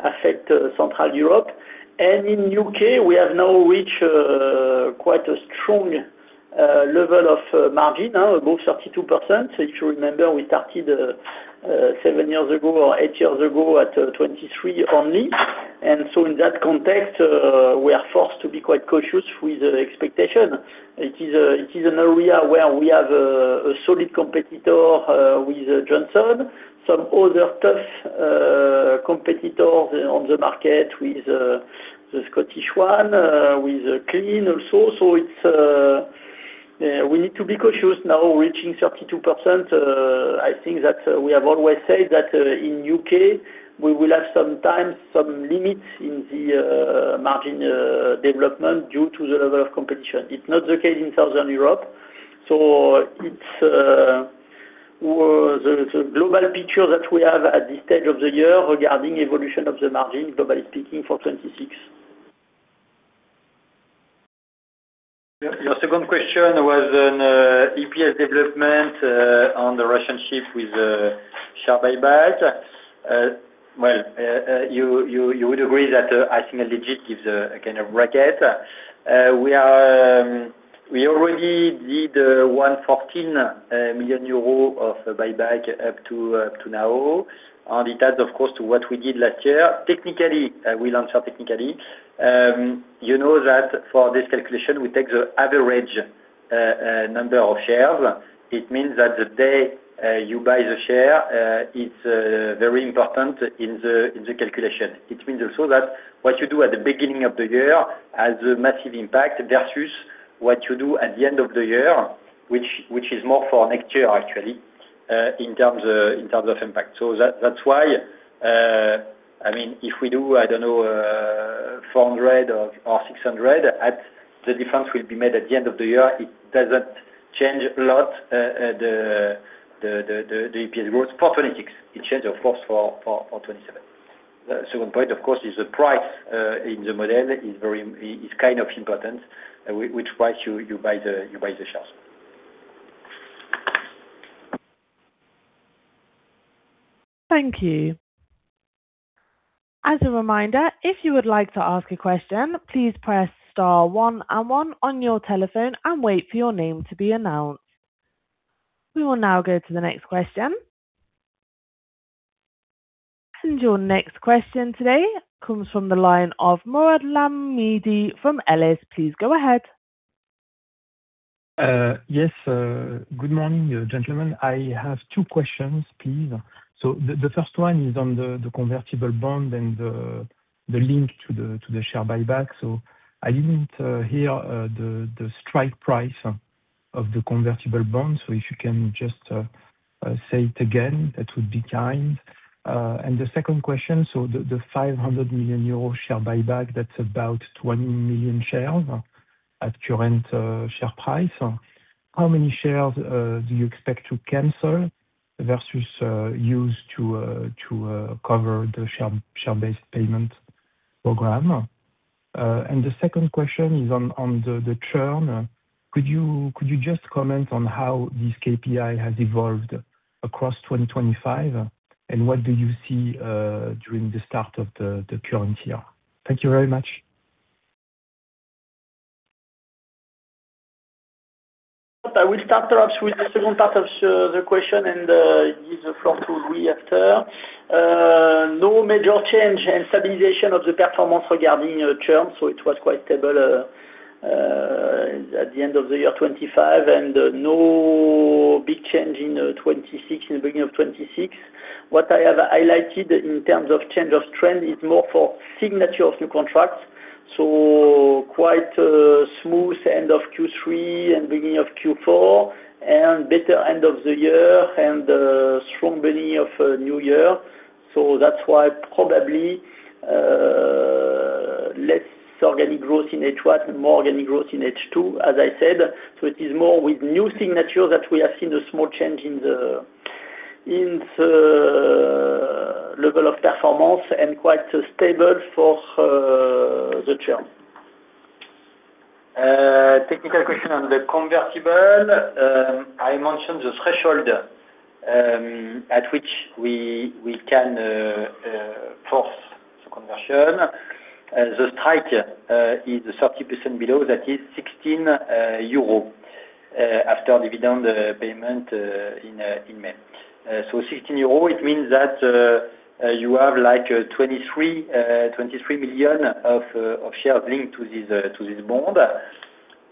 affect Central Europe. In U.K., we have now reached quite a strong level of margin, above 32%. If you remember, we started seven years ago or eight years ago at 23 only. In that context, we are forced to be quite cautious with the expectation. It is an area where we have a solid competitor with Johnson, some other tough competitors on the market with the Scottish one with Clean also. So it's we need to be cautious now reaching 32%. I think that we have always said that in U.K., we will have sometimes some limits in the margin development due to the level of competition. It's not the case in Southern Europe, so it's the global picture that we have at this stage of the year regarding evolution of the margin, globally speaking, for 2026. Your second question was on EPS development on the relationship with share buyback. Well, you would agree that a single digit is a kind of bracket. We already did 114 million euro of buyback up to now, and it adds, of course, to what we did last year. Technically, we launch technically, you know that for this calculation, we take the average number of shares. It means that the day you buy the share, it's very important in the calculation. It means also that what you do at the beginning of the year has a massive impact versus what you do at the end of the year, which is more for next year actually, in terms of impact. That's why, I mean, if we do, I don't know, 400 million or 600 million, the difference will be made at the end of the year. It doesn't change a lot, the EPS growth for 26. It changes of course for 27. The second point of course is the price in the model is very kind of important, which price you buy the shares. Thank you. As a reminder, if you would like to ask a question, please press star one one on your telephone and wait for your name to be announced. We will now go to the next question. Your next question today comes from the line of Mourad Lahmidi from Exane. Please go ahead. Yes, good morning, gentlemen. I have two questions, please. The first one is on the convertible bond and the link to the share buyback. I didn't hear the strike price of the convertible bond. If you can just say it again, that would be kind. The second question, the 500 million euro share buyback, that's about 20 million shares at current share price. How many shares do you expect to cancel versus use to cover the share-based payment program? The second question is on the churn. Could you just comment on how this KPI has evolved across 2025? What do you see during the start of the current year? Thank you very much. I will start perhaps with the second part of the question and give the floor to Louis after. No major change and stabilization of the performance regarding churn. It was quite stable at the end of the year 2025, and no big change in 2026, in the beginning of 2026. What I have highlighted in terms of change of trend is more for signature of new contracts. Quite smooth end of Q3 and beginning of Q4, and better end of the year and strong beginning of new year. That's why probably less organic growth in H1 and more organic growth in H2, as I said. It is more with new signature that we have seen the small change in the level of performance and quite stable for the churn. Technical question on the convertible. I mentioned the threshold at which we can force the conversion. The strike is 30% below that is 16 euro after dividend payment in May. So 16 euro, it means that you have like 23 million of shares linked to this bond.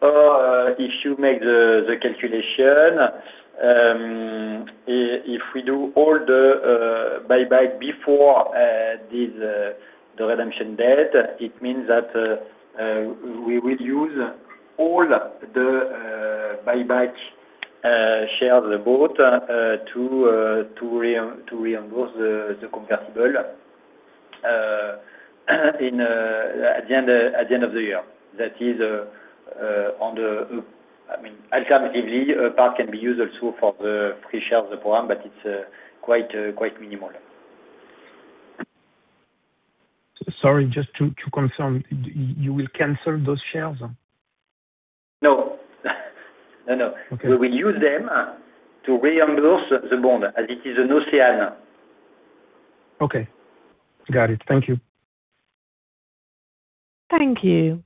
If you make the calculation, if we do all the buyback before the redemption date, it means that we will use all the buyback shares bought to reimburse the convertible at the end of the year. That is, I mean, alternatively, a part can be used also for the free shares program, but it's quite minimal. Sorry, just to confirm, you will cancel those shares? No. No, no. Okay. We will use them to reimburse the bond as it is an OCEANE. Okay. Got it. Thank you. Thank you.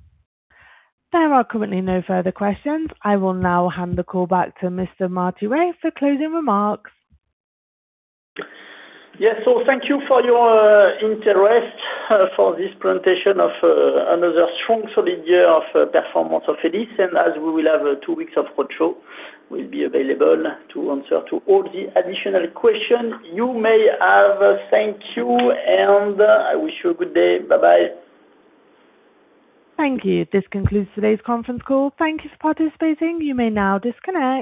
There are currently no further questions. I will now hand the call back to Mr. Martiré for closing remarks. Yes. Thank you for your interest for this presentation of another strong, solid year of performance of Elis. As we will have two weeks of roadshow, we'll be available to answer to all the additional questions you may have. Thank you, and I wish you a good day. Bye-bye. Thank you. This concludes today's conference call. Thank you for participating. You may now disconnect.